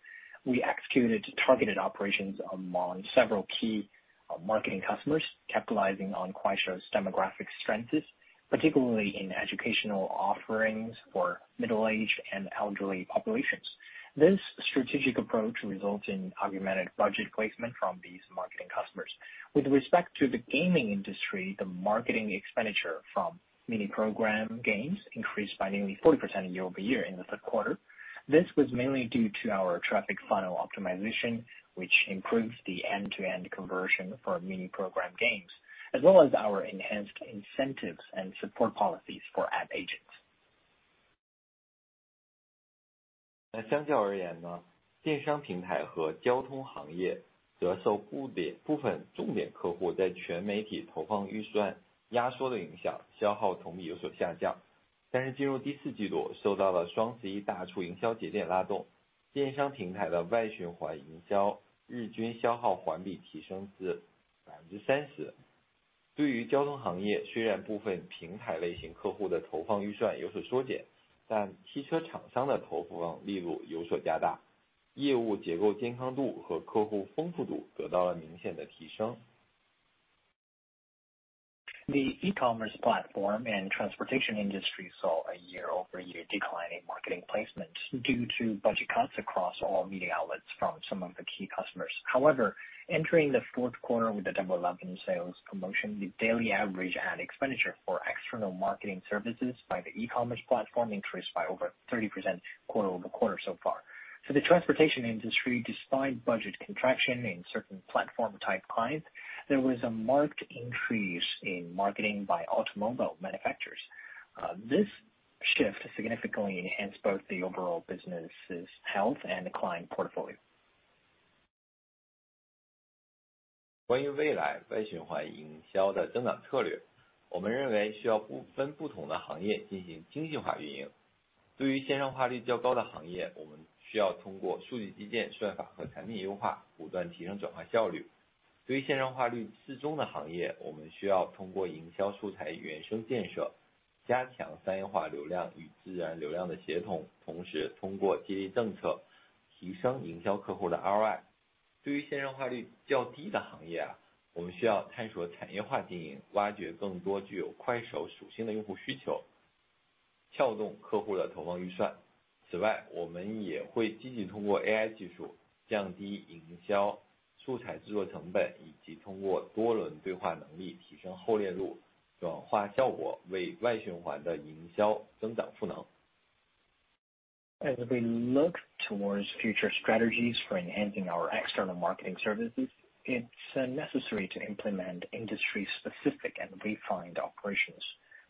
We executed targeted operations among several key marketing customers, capitalizing on Kuaishou's demographic strengths, particularly in educational offerings for middle-aged and elderly populations. This strategic approach results in augmented budget placement from these marketing customers. With respect to the gaming industry, the marketing expenditure from mini program games increased by nearly 40% YoY in the Q3. This was mainly due to our traffic funnel optimization, which improves the end-to-end conversion for mini program games, as well as our enhanced incentives and support policies for ad agents. The e-commerce platform and transportation industry saw a YoY decline in marketing placement due to budget cuts across all media outlets from some of the key customers. However, entering the fourth quarter with the Double Eleven sales promotion, the daily average ad expenditure for external marketing services by the e-commerce platform increased by over 30% QoQ so far. For the transportation industry, despite budget contraction in certain platform type clients, there was a marked increase in marketing by automobile manufacturers. This shift significantly enhanced both the overall business's health and client portfolio. 素材制作成本，以及通过多轮对话能力提升后链路，强化效果，为外循环的营销增长赋能。As we look towards future strategies for enhancing our external marketing services, it's necessary to implement industry-specific and refined operations.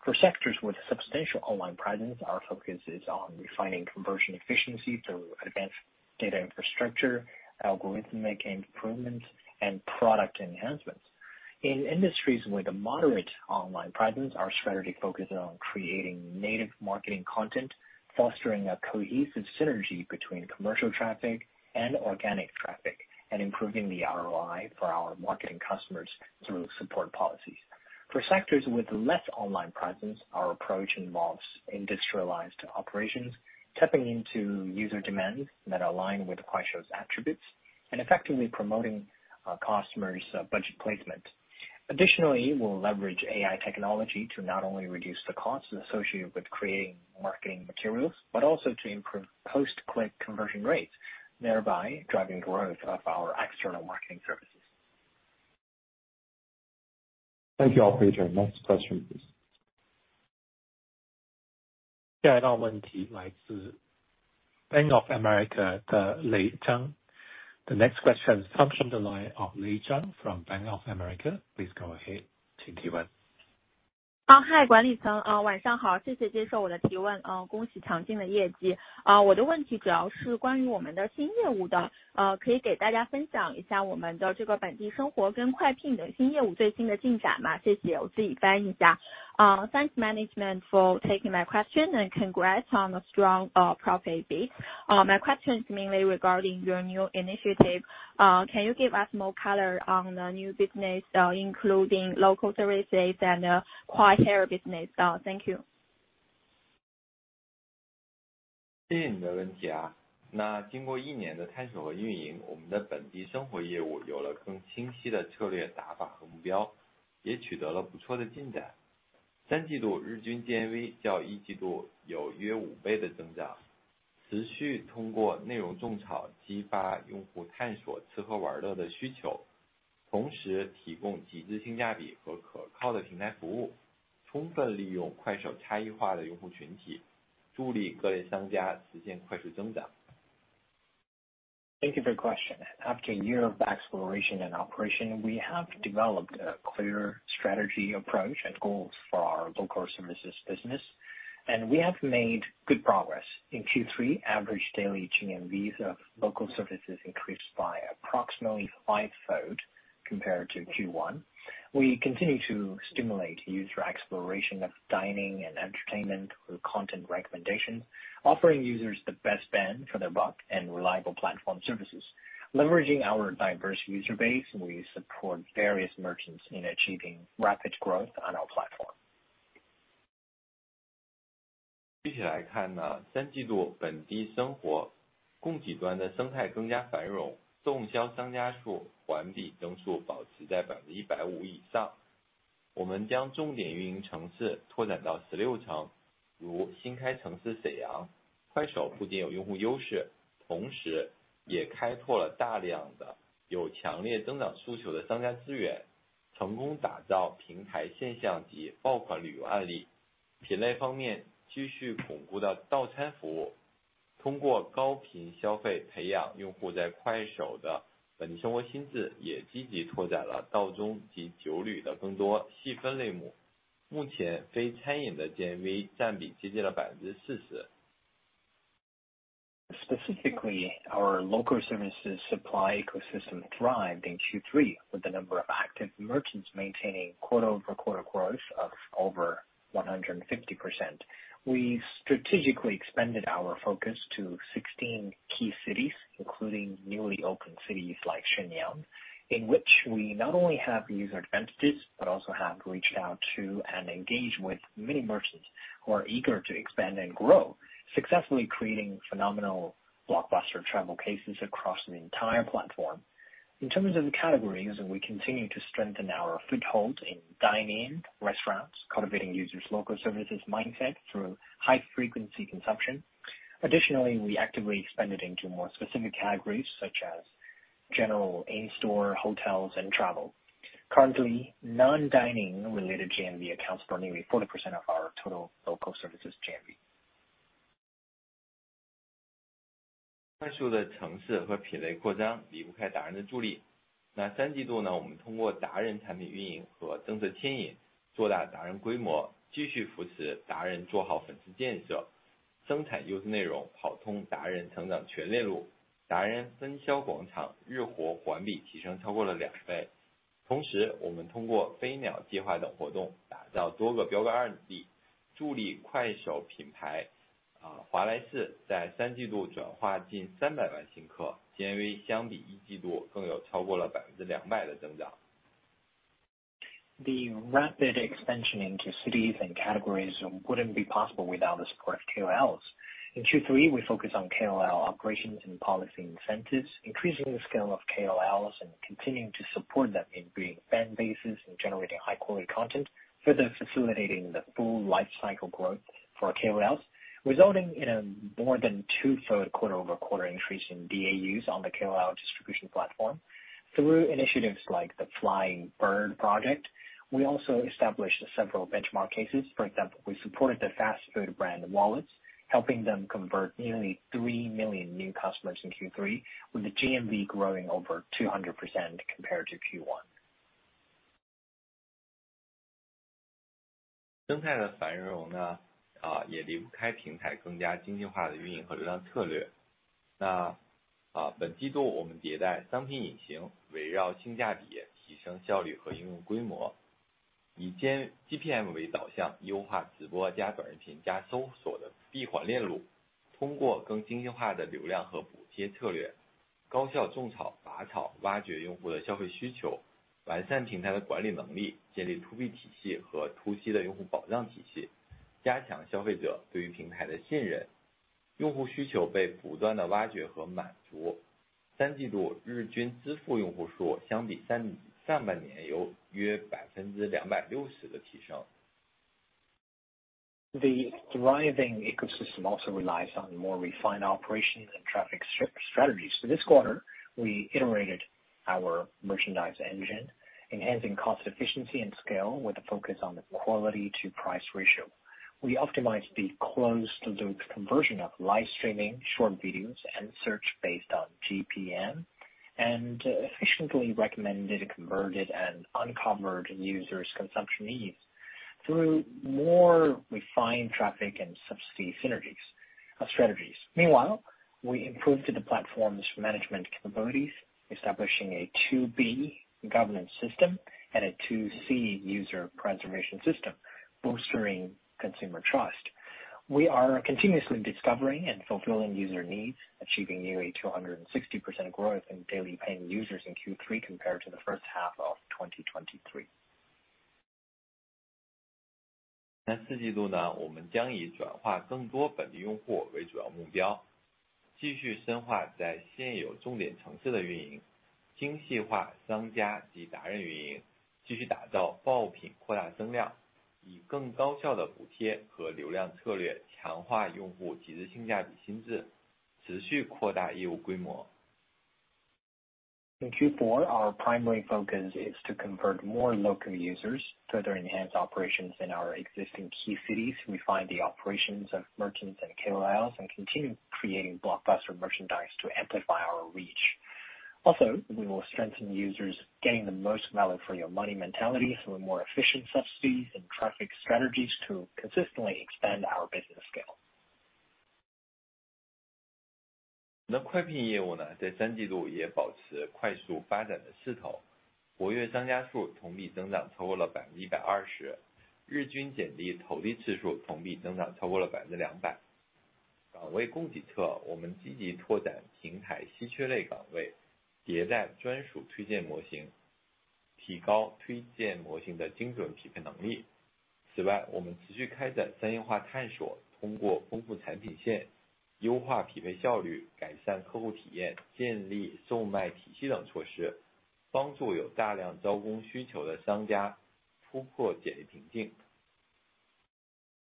For sectors with substantial online presence, our focus is on refining conversion efficiency through advanced data infrastructure, algorithmic improvements, and product enhancements. In industries with a moderate online presence, our strategy focuses on creating native marketing content, fostering a cohesive synergy between commercial traffic and organic traffic, and improving the ROI for our marketing customers through support policies. For sectors with less online presence, our approach involves industrialized operations, tapping into user demand that align with Kuaishou's attributes, and effectively promoting our customers' budget placement. Additionally, we'll leverage AI technology to not only reduce the costs associated with creating marketing materials, but also to improve post-click conversion rates, thereby driving growth of our external marketing services. Thank you all for your turn. Next question, please. 下一个问题来自Bank of America的Lei Zhang。The next question comes from the line of Lei Zhang from Bank of America。Please go ahead，请提问。Thanks, management, for taking my question and congrats on a strong profit beat. My question is mainly regarding your new initiative. Can you give us more color on the new business, including local services and Kwai Hire business? Thank you. 谢谢你的问题啊。那经过一年的开始和运营，我们的本地生活业务有了更清晰的策略、打法和目标，也取得了不错的进展。三季度日均GMV较一季度有约五倍的增长，持续通过内容种草激发用户探索吃喝玩乐的需求，同时提供极致性价比和可靠的平台服务，充分利用快手差异化的用户群体，助力各类商家实现快速增长。Thank you for your question. After a year of exploration and operation, we have developed a clear strategy, approach, and goals for our local services business, and we have made good progress. In Q3, average daily GMVs of local services increased by approximately fivefold compared to Q1. We continue to stimulate user exploration of dining and entertainment through content recommendation, offering users the best bang for their buck and reliable platform services. Leveraging our diverse user base, we support various merchants in achieving rapid growth on our platform. Specifically, our local services supply ecosystem thrived in Q3, with the number of active merchants maintaining QoQ growth of over 150%. We strategically expanded our focus to 16 key cities, including newly opened cities like Shenyang, in which we not only have user advantages, but also have reached out to and engaged with many merchants who are eager to expand and grow, successfully creating phenomenal blockbuster travel cases across the entire platform. In terms of the categories, we continue to strengthen our foothold in dine-in restaurants, cultivating users' local services mindset through high-frequency consumption. Additionally, we actively expanded into more specific categories such as general in-store hotels and travel. Currently, non-dining related GMV accounts for nearly 40% of our total local services ...The rapid expansion into cities and categories wouldn't be possible without the support of KOLs. In Q3, we focused on KOL operations and policy incentives, increasing the scale of KOLs and continuing to support them in building fan bases and generating high quality content, further facilitating the full life cycle growth for KOLs, resulting in a more than two-thirds QoQ increase in DAUs on the KOL distribution platform. Through initiatives like the Flying Bird Project, we also established several benchmark cases. For example, we supported the fast food brand, Wallace, helping them convert nearly 3 million new customers in Q3, with the GMV growing over 200% compared to Q1. The thriving ecosystem also relies on more refined operations and traffic strategies. So this quarter, we iterated our merchandise engine, enhancing cost efficiency and scale with a focus on the quality to price ratio. We optimized the closed loop conversion of live streaming, short videos, and search based on GPM, and efficiently recommended converted and unconverted users consumption needs through more refined traffic and subsidy synergies, strategies. Meanwhile, we improved the platform's management capabilities, establishing a 2B governance system and a 2C user preservation system, bolstering consumer trust. We are continuously discovering and fulfilling user needs, achieving nearly 260% growth in daily paying users in Q3 compared to the first half of 2023. In Q4, our primary focus is to convert more local users, further enhance operations in our existing key cities, refine the operations of merchants and KOLs, and continue creating blockbuster merchandise to amplify our reach. Also, we will strengthen users getting the most value for your money mentality through a more efficient subsidies and traffic strategies to consistently expand our business scale.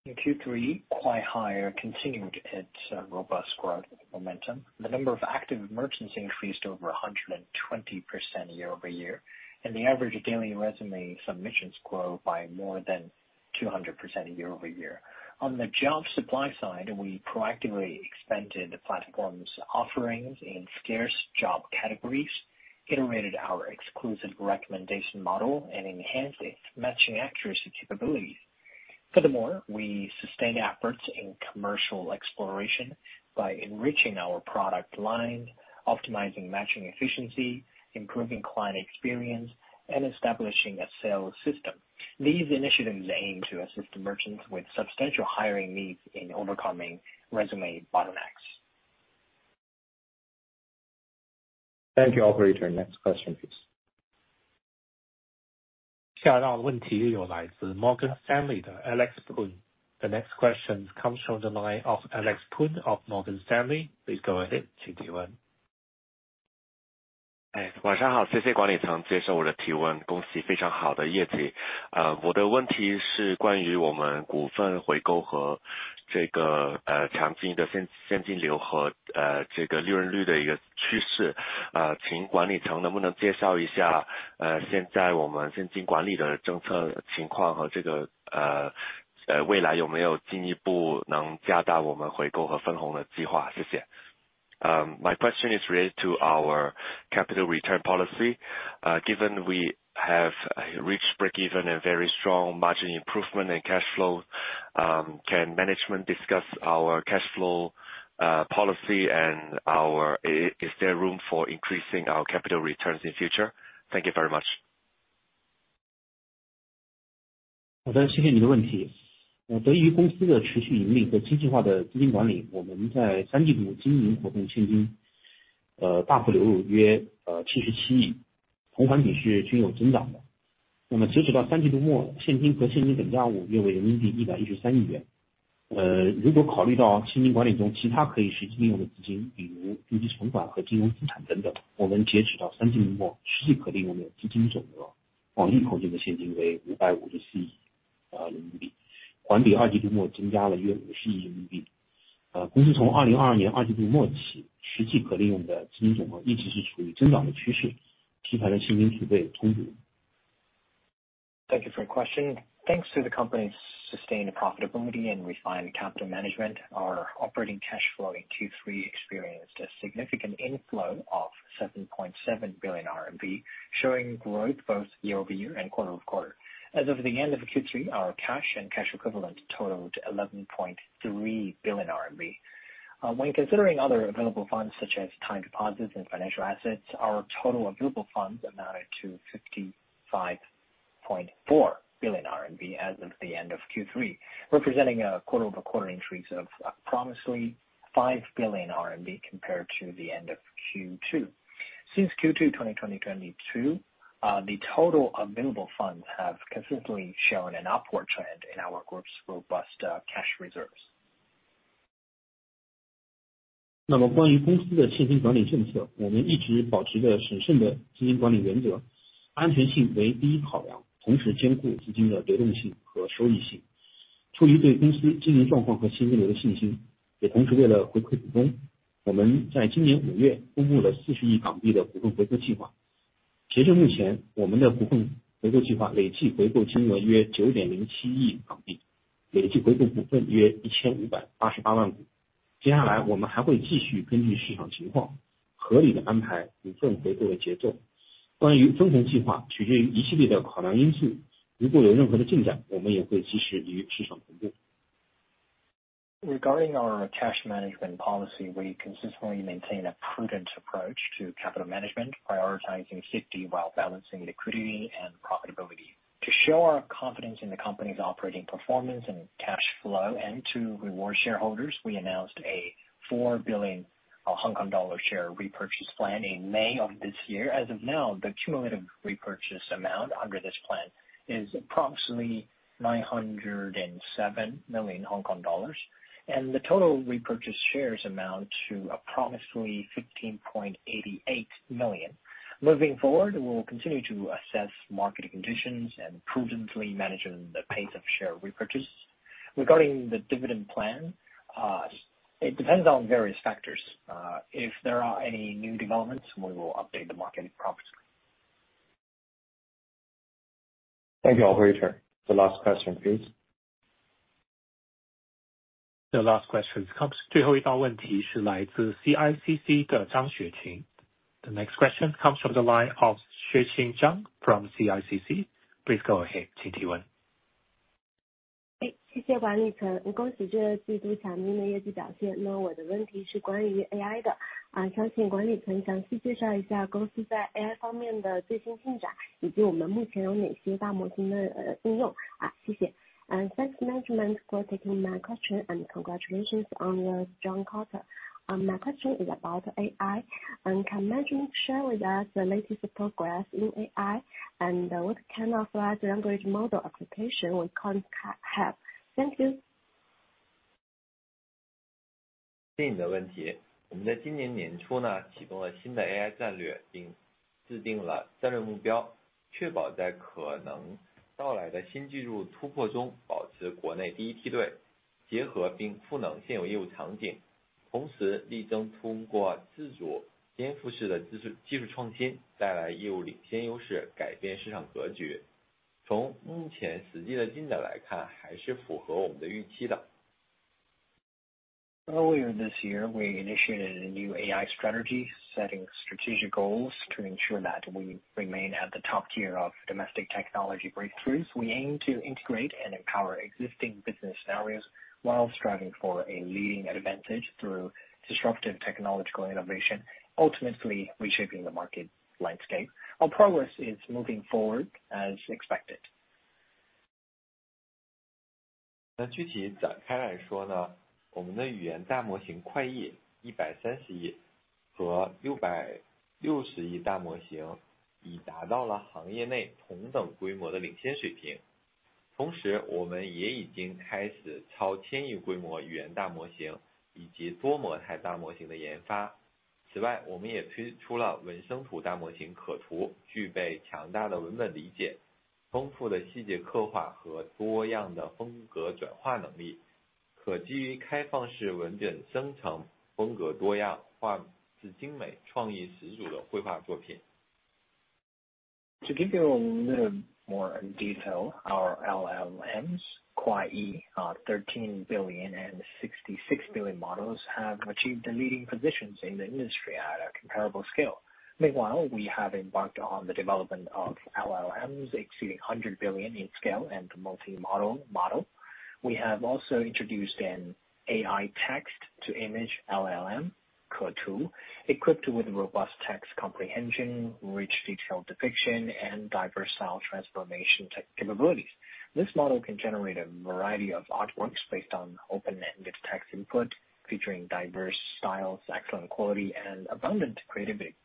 In Q3, Kuaishou continued its robust growth momentum. The number of active merchants increased over 120% YoY, and the average daily resume submissions grew by more than 200% YoY. On the job supply side, we proactively expanded the platform's offerings in scarce job categories, iterated our exclusive recommendation model, and enhanced its matching accuracy capabilities. Furthermore, we sustained efforts in commercial exploration by enriching our product line, optimizing matching efficiency, improving client experience, and establishing a sales system. These initiatives aim to assist merchants with substantial hiring needs in overcoming resume bottlenecks. Thank you, operator. Next question, please. The next question comes from the line of Alex Poon of Morgan Stanley. Please go ahead. My question is related to our capital return policy. Given we have reached breakeven and very strong margin improvement and cash flow, can management discuss our cash flow policy and our... is there room for increasing our capital returns in future? Thank you very much. 好的，谢谢你的问题。得益于公司的持续盈利和精细化的资金管理，我们在三季度的经营活动现金大幅流入约 CNY 7.7 billion，同环比是均有增长的。截止到三季度末，现金和现金等价物约为 CNY 11.3 billion。如果考虑到现金管理中其他可以实际利用的资金，比如定期存款和金融资产等等，我们截止到三季度末，实际可利用的资金总额，包括口径的现金，为 CNY 55.7 billion，环比二季度末增加了约 CNY 5.0 billion。公司从 2022 年二季度末起，实际可利用的资金总额一直是处于增长的趋势，体现了现金储备的充足。Thank you for your question. Thanks to the company's sustained profitability and refined capital management, our operating cash flow in Q3 experienced a significant inflow of 7.7 billion RMB, showing growth both YoY and QoQ. As of the end of Q3, our cash and cash equivalent totaled 11.3 billion RMB. When considering other available funds, such as time deposits and financial assets, our total available funds amounted to 55.4 billion RMB as of the end of Q3, representing a QoQ increase of approximately 5 billion RMB compared to the end of Q2. Since Q2, 2022, the total available funds have consistently shown an upward trend in our group's robust cash reserves 那么关于公司的现金管理政策，我们一直保持着审慎的资金管理原则，安全性为第一考量，同时兼顾资金的流动性和收益性。出于对公司经营状况和现金流的信心，也同时为了回馈股东，我们在今年五月公布了HKD 4 billion的股份回购计划。截至目前，我们的股份回购计划累计回购金额约HKD 907 million，累计回购股份约15,880,000股。接下来，我们还会继续根据市场情况，合理地安排股份回购的节奏。关于分红计划，取决于一系列的考量因素，如果有任何的进展，我们也会及时与市场公布。Regarding our cash management policy, we consistently maintain a prudent approach to capital management, prioritizing safety while balancing liquidity and profitability. To show our confidence in the company's operating performance and cash flow, and to reward shareholders, we announced a 4 billion Hong Kong dollar share repurchase plan in May of this year. As of now, the cumulative repurchase amount under this plan is approximately 907 million Hong Kong dollars, and the total repurchase shares amount to approximately 15.88 million. Moving forward, we will continue to assess market conditions and prudently manage the pace of share repurchase. Regarding the dividend plan, it depends on various factors. If there are any new developments, we will update the market promptly. Thank you, operator. The last question, please. The last question comes... 最后一道问题是来自CICC的张雪琴。The next question comes from the line of Xueqing Zhang from CICC. Please go ahead, 请提问。Thanks, management, for taking my question and congratulations on the strong quarter. My question is about AI, and can management share with us the latest progress in AI and what kind of large language model application we currently have? Thank you. Earlier this year, we initiated a new AI strategy, setting strategic goals to ensure that we remain at the top tier of domestic technology breakthroughs. We aim to integrate and empower existing business scenarios while striving for a leading advantage through disruptive technological innovation, ultimately reshaping the market landscape. Our progress is moving forward as expected. To give you a little more detail, our LLMs KwaiYii, 13 billion and 66 billion models have achieved a leading positions in the industry at a comparable scale. Meanwhile, we have embarked on the development of LLMs, exceeding 100 billion in scale and multimodal model. We have also introduced an AI text to image LLM, Ketu, equipped with robust text comprehension, rich detailed depiction, and diverse style transformation tech capabilities. This model can generate a variety of artworks based on open-ended text input, featuring diverse styles, excellent quality, and abundant creativity.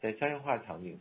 We are currently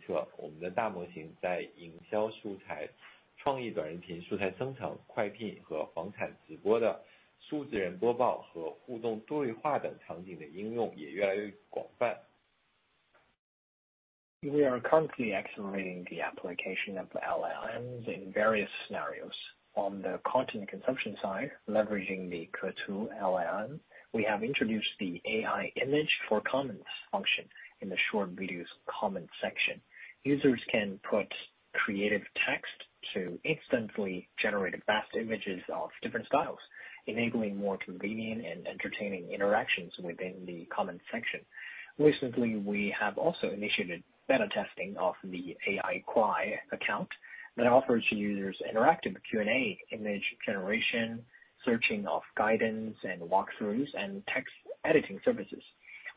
accelerating the application of the LLMs in various scenarios. On the content consumption side, leveraging the Ketu LLM, we have introduced the AI image for comments function in the short videos comment section. Users can put creative text to instantly generate vast images of different styles, enabling more convenient and entertaining interactions within the comment section. Recently, we have also initiated beta testing of the AI Kwai account that offers users interactive Q&A, image generation, searching of guidance and walkthroughs, and text editing services,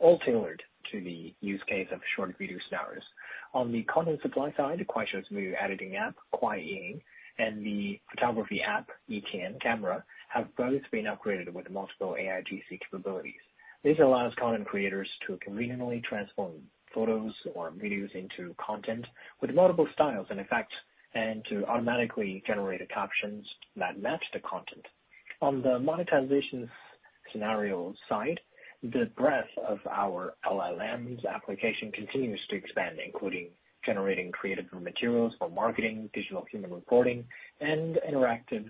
all tailored to the use case of short video scenarios. On the content supply side, Kuaishou's new editing app, KwaiYing, and the photography app, Yitian Camera, have both been upgraded with multiple AIGC capabilities. This allows content creators to conveniently transform photos or videos into content with multiple styles and effects, and to automatically generate captions that match the content. On the monetization scenario side, the breadth of our LLMs application continues to expand, including generating creative materials for marketing, digital human reporting, and interactive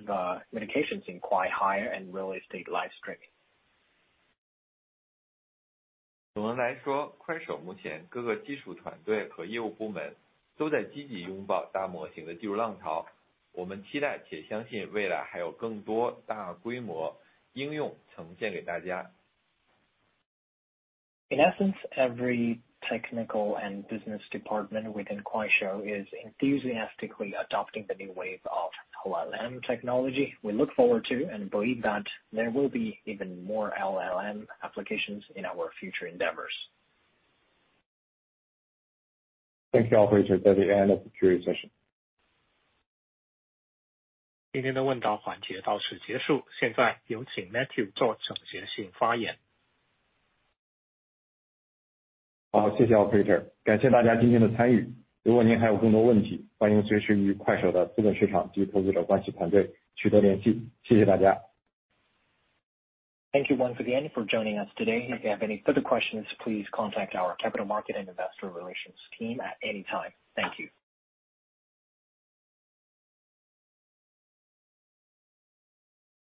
mediations in Kwai Hire and real estate live streaming. 总的来说，快手目前各个技术团队和业务部门都在积极拥抱大模型的技术浪潮，我们期待且相信未来还有更多大规模应用呈现给大家。In essence, every technical and business department within Kuaishou is enthusiastically adopting the new wave of LLM technology. We look forward to and believe that there will be even more LLM applications in our future endeavors. Thank you, operator. That's the end of the Q&A session. 今天的问答环节到此结束，现在有请Matthew做总结性发言。好，谢谢 operator，感谢大家今天的参与。如果您还有更多问题，欢迎随时与快手的资本市场及投资者关系团队取得联系。谢谢大家！ Thank you once again for joining us today. If you have any further questions, please contact our capital market and investor relations team at any time. Thank you.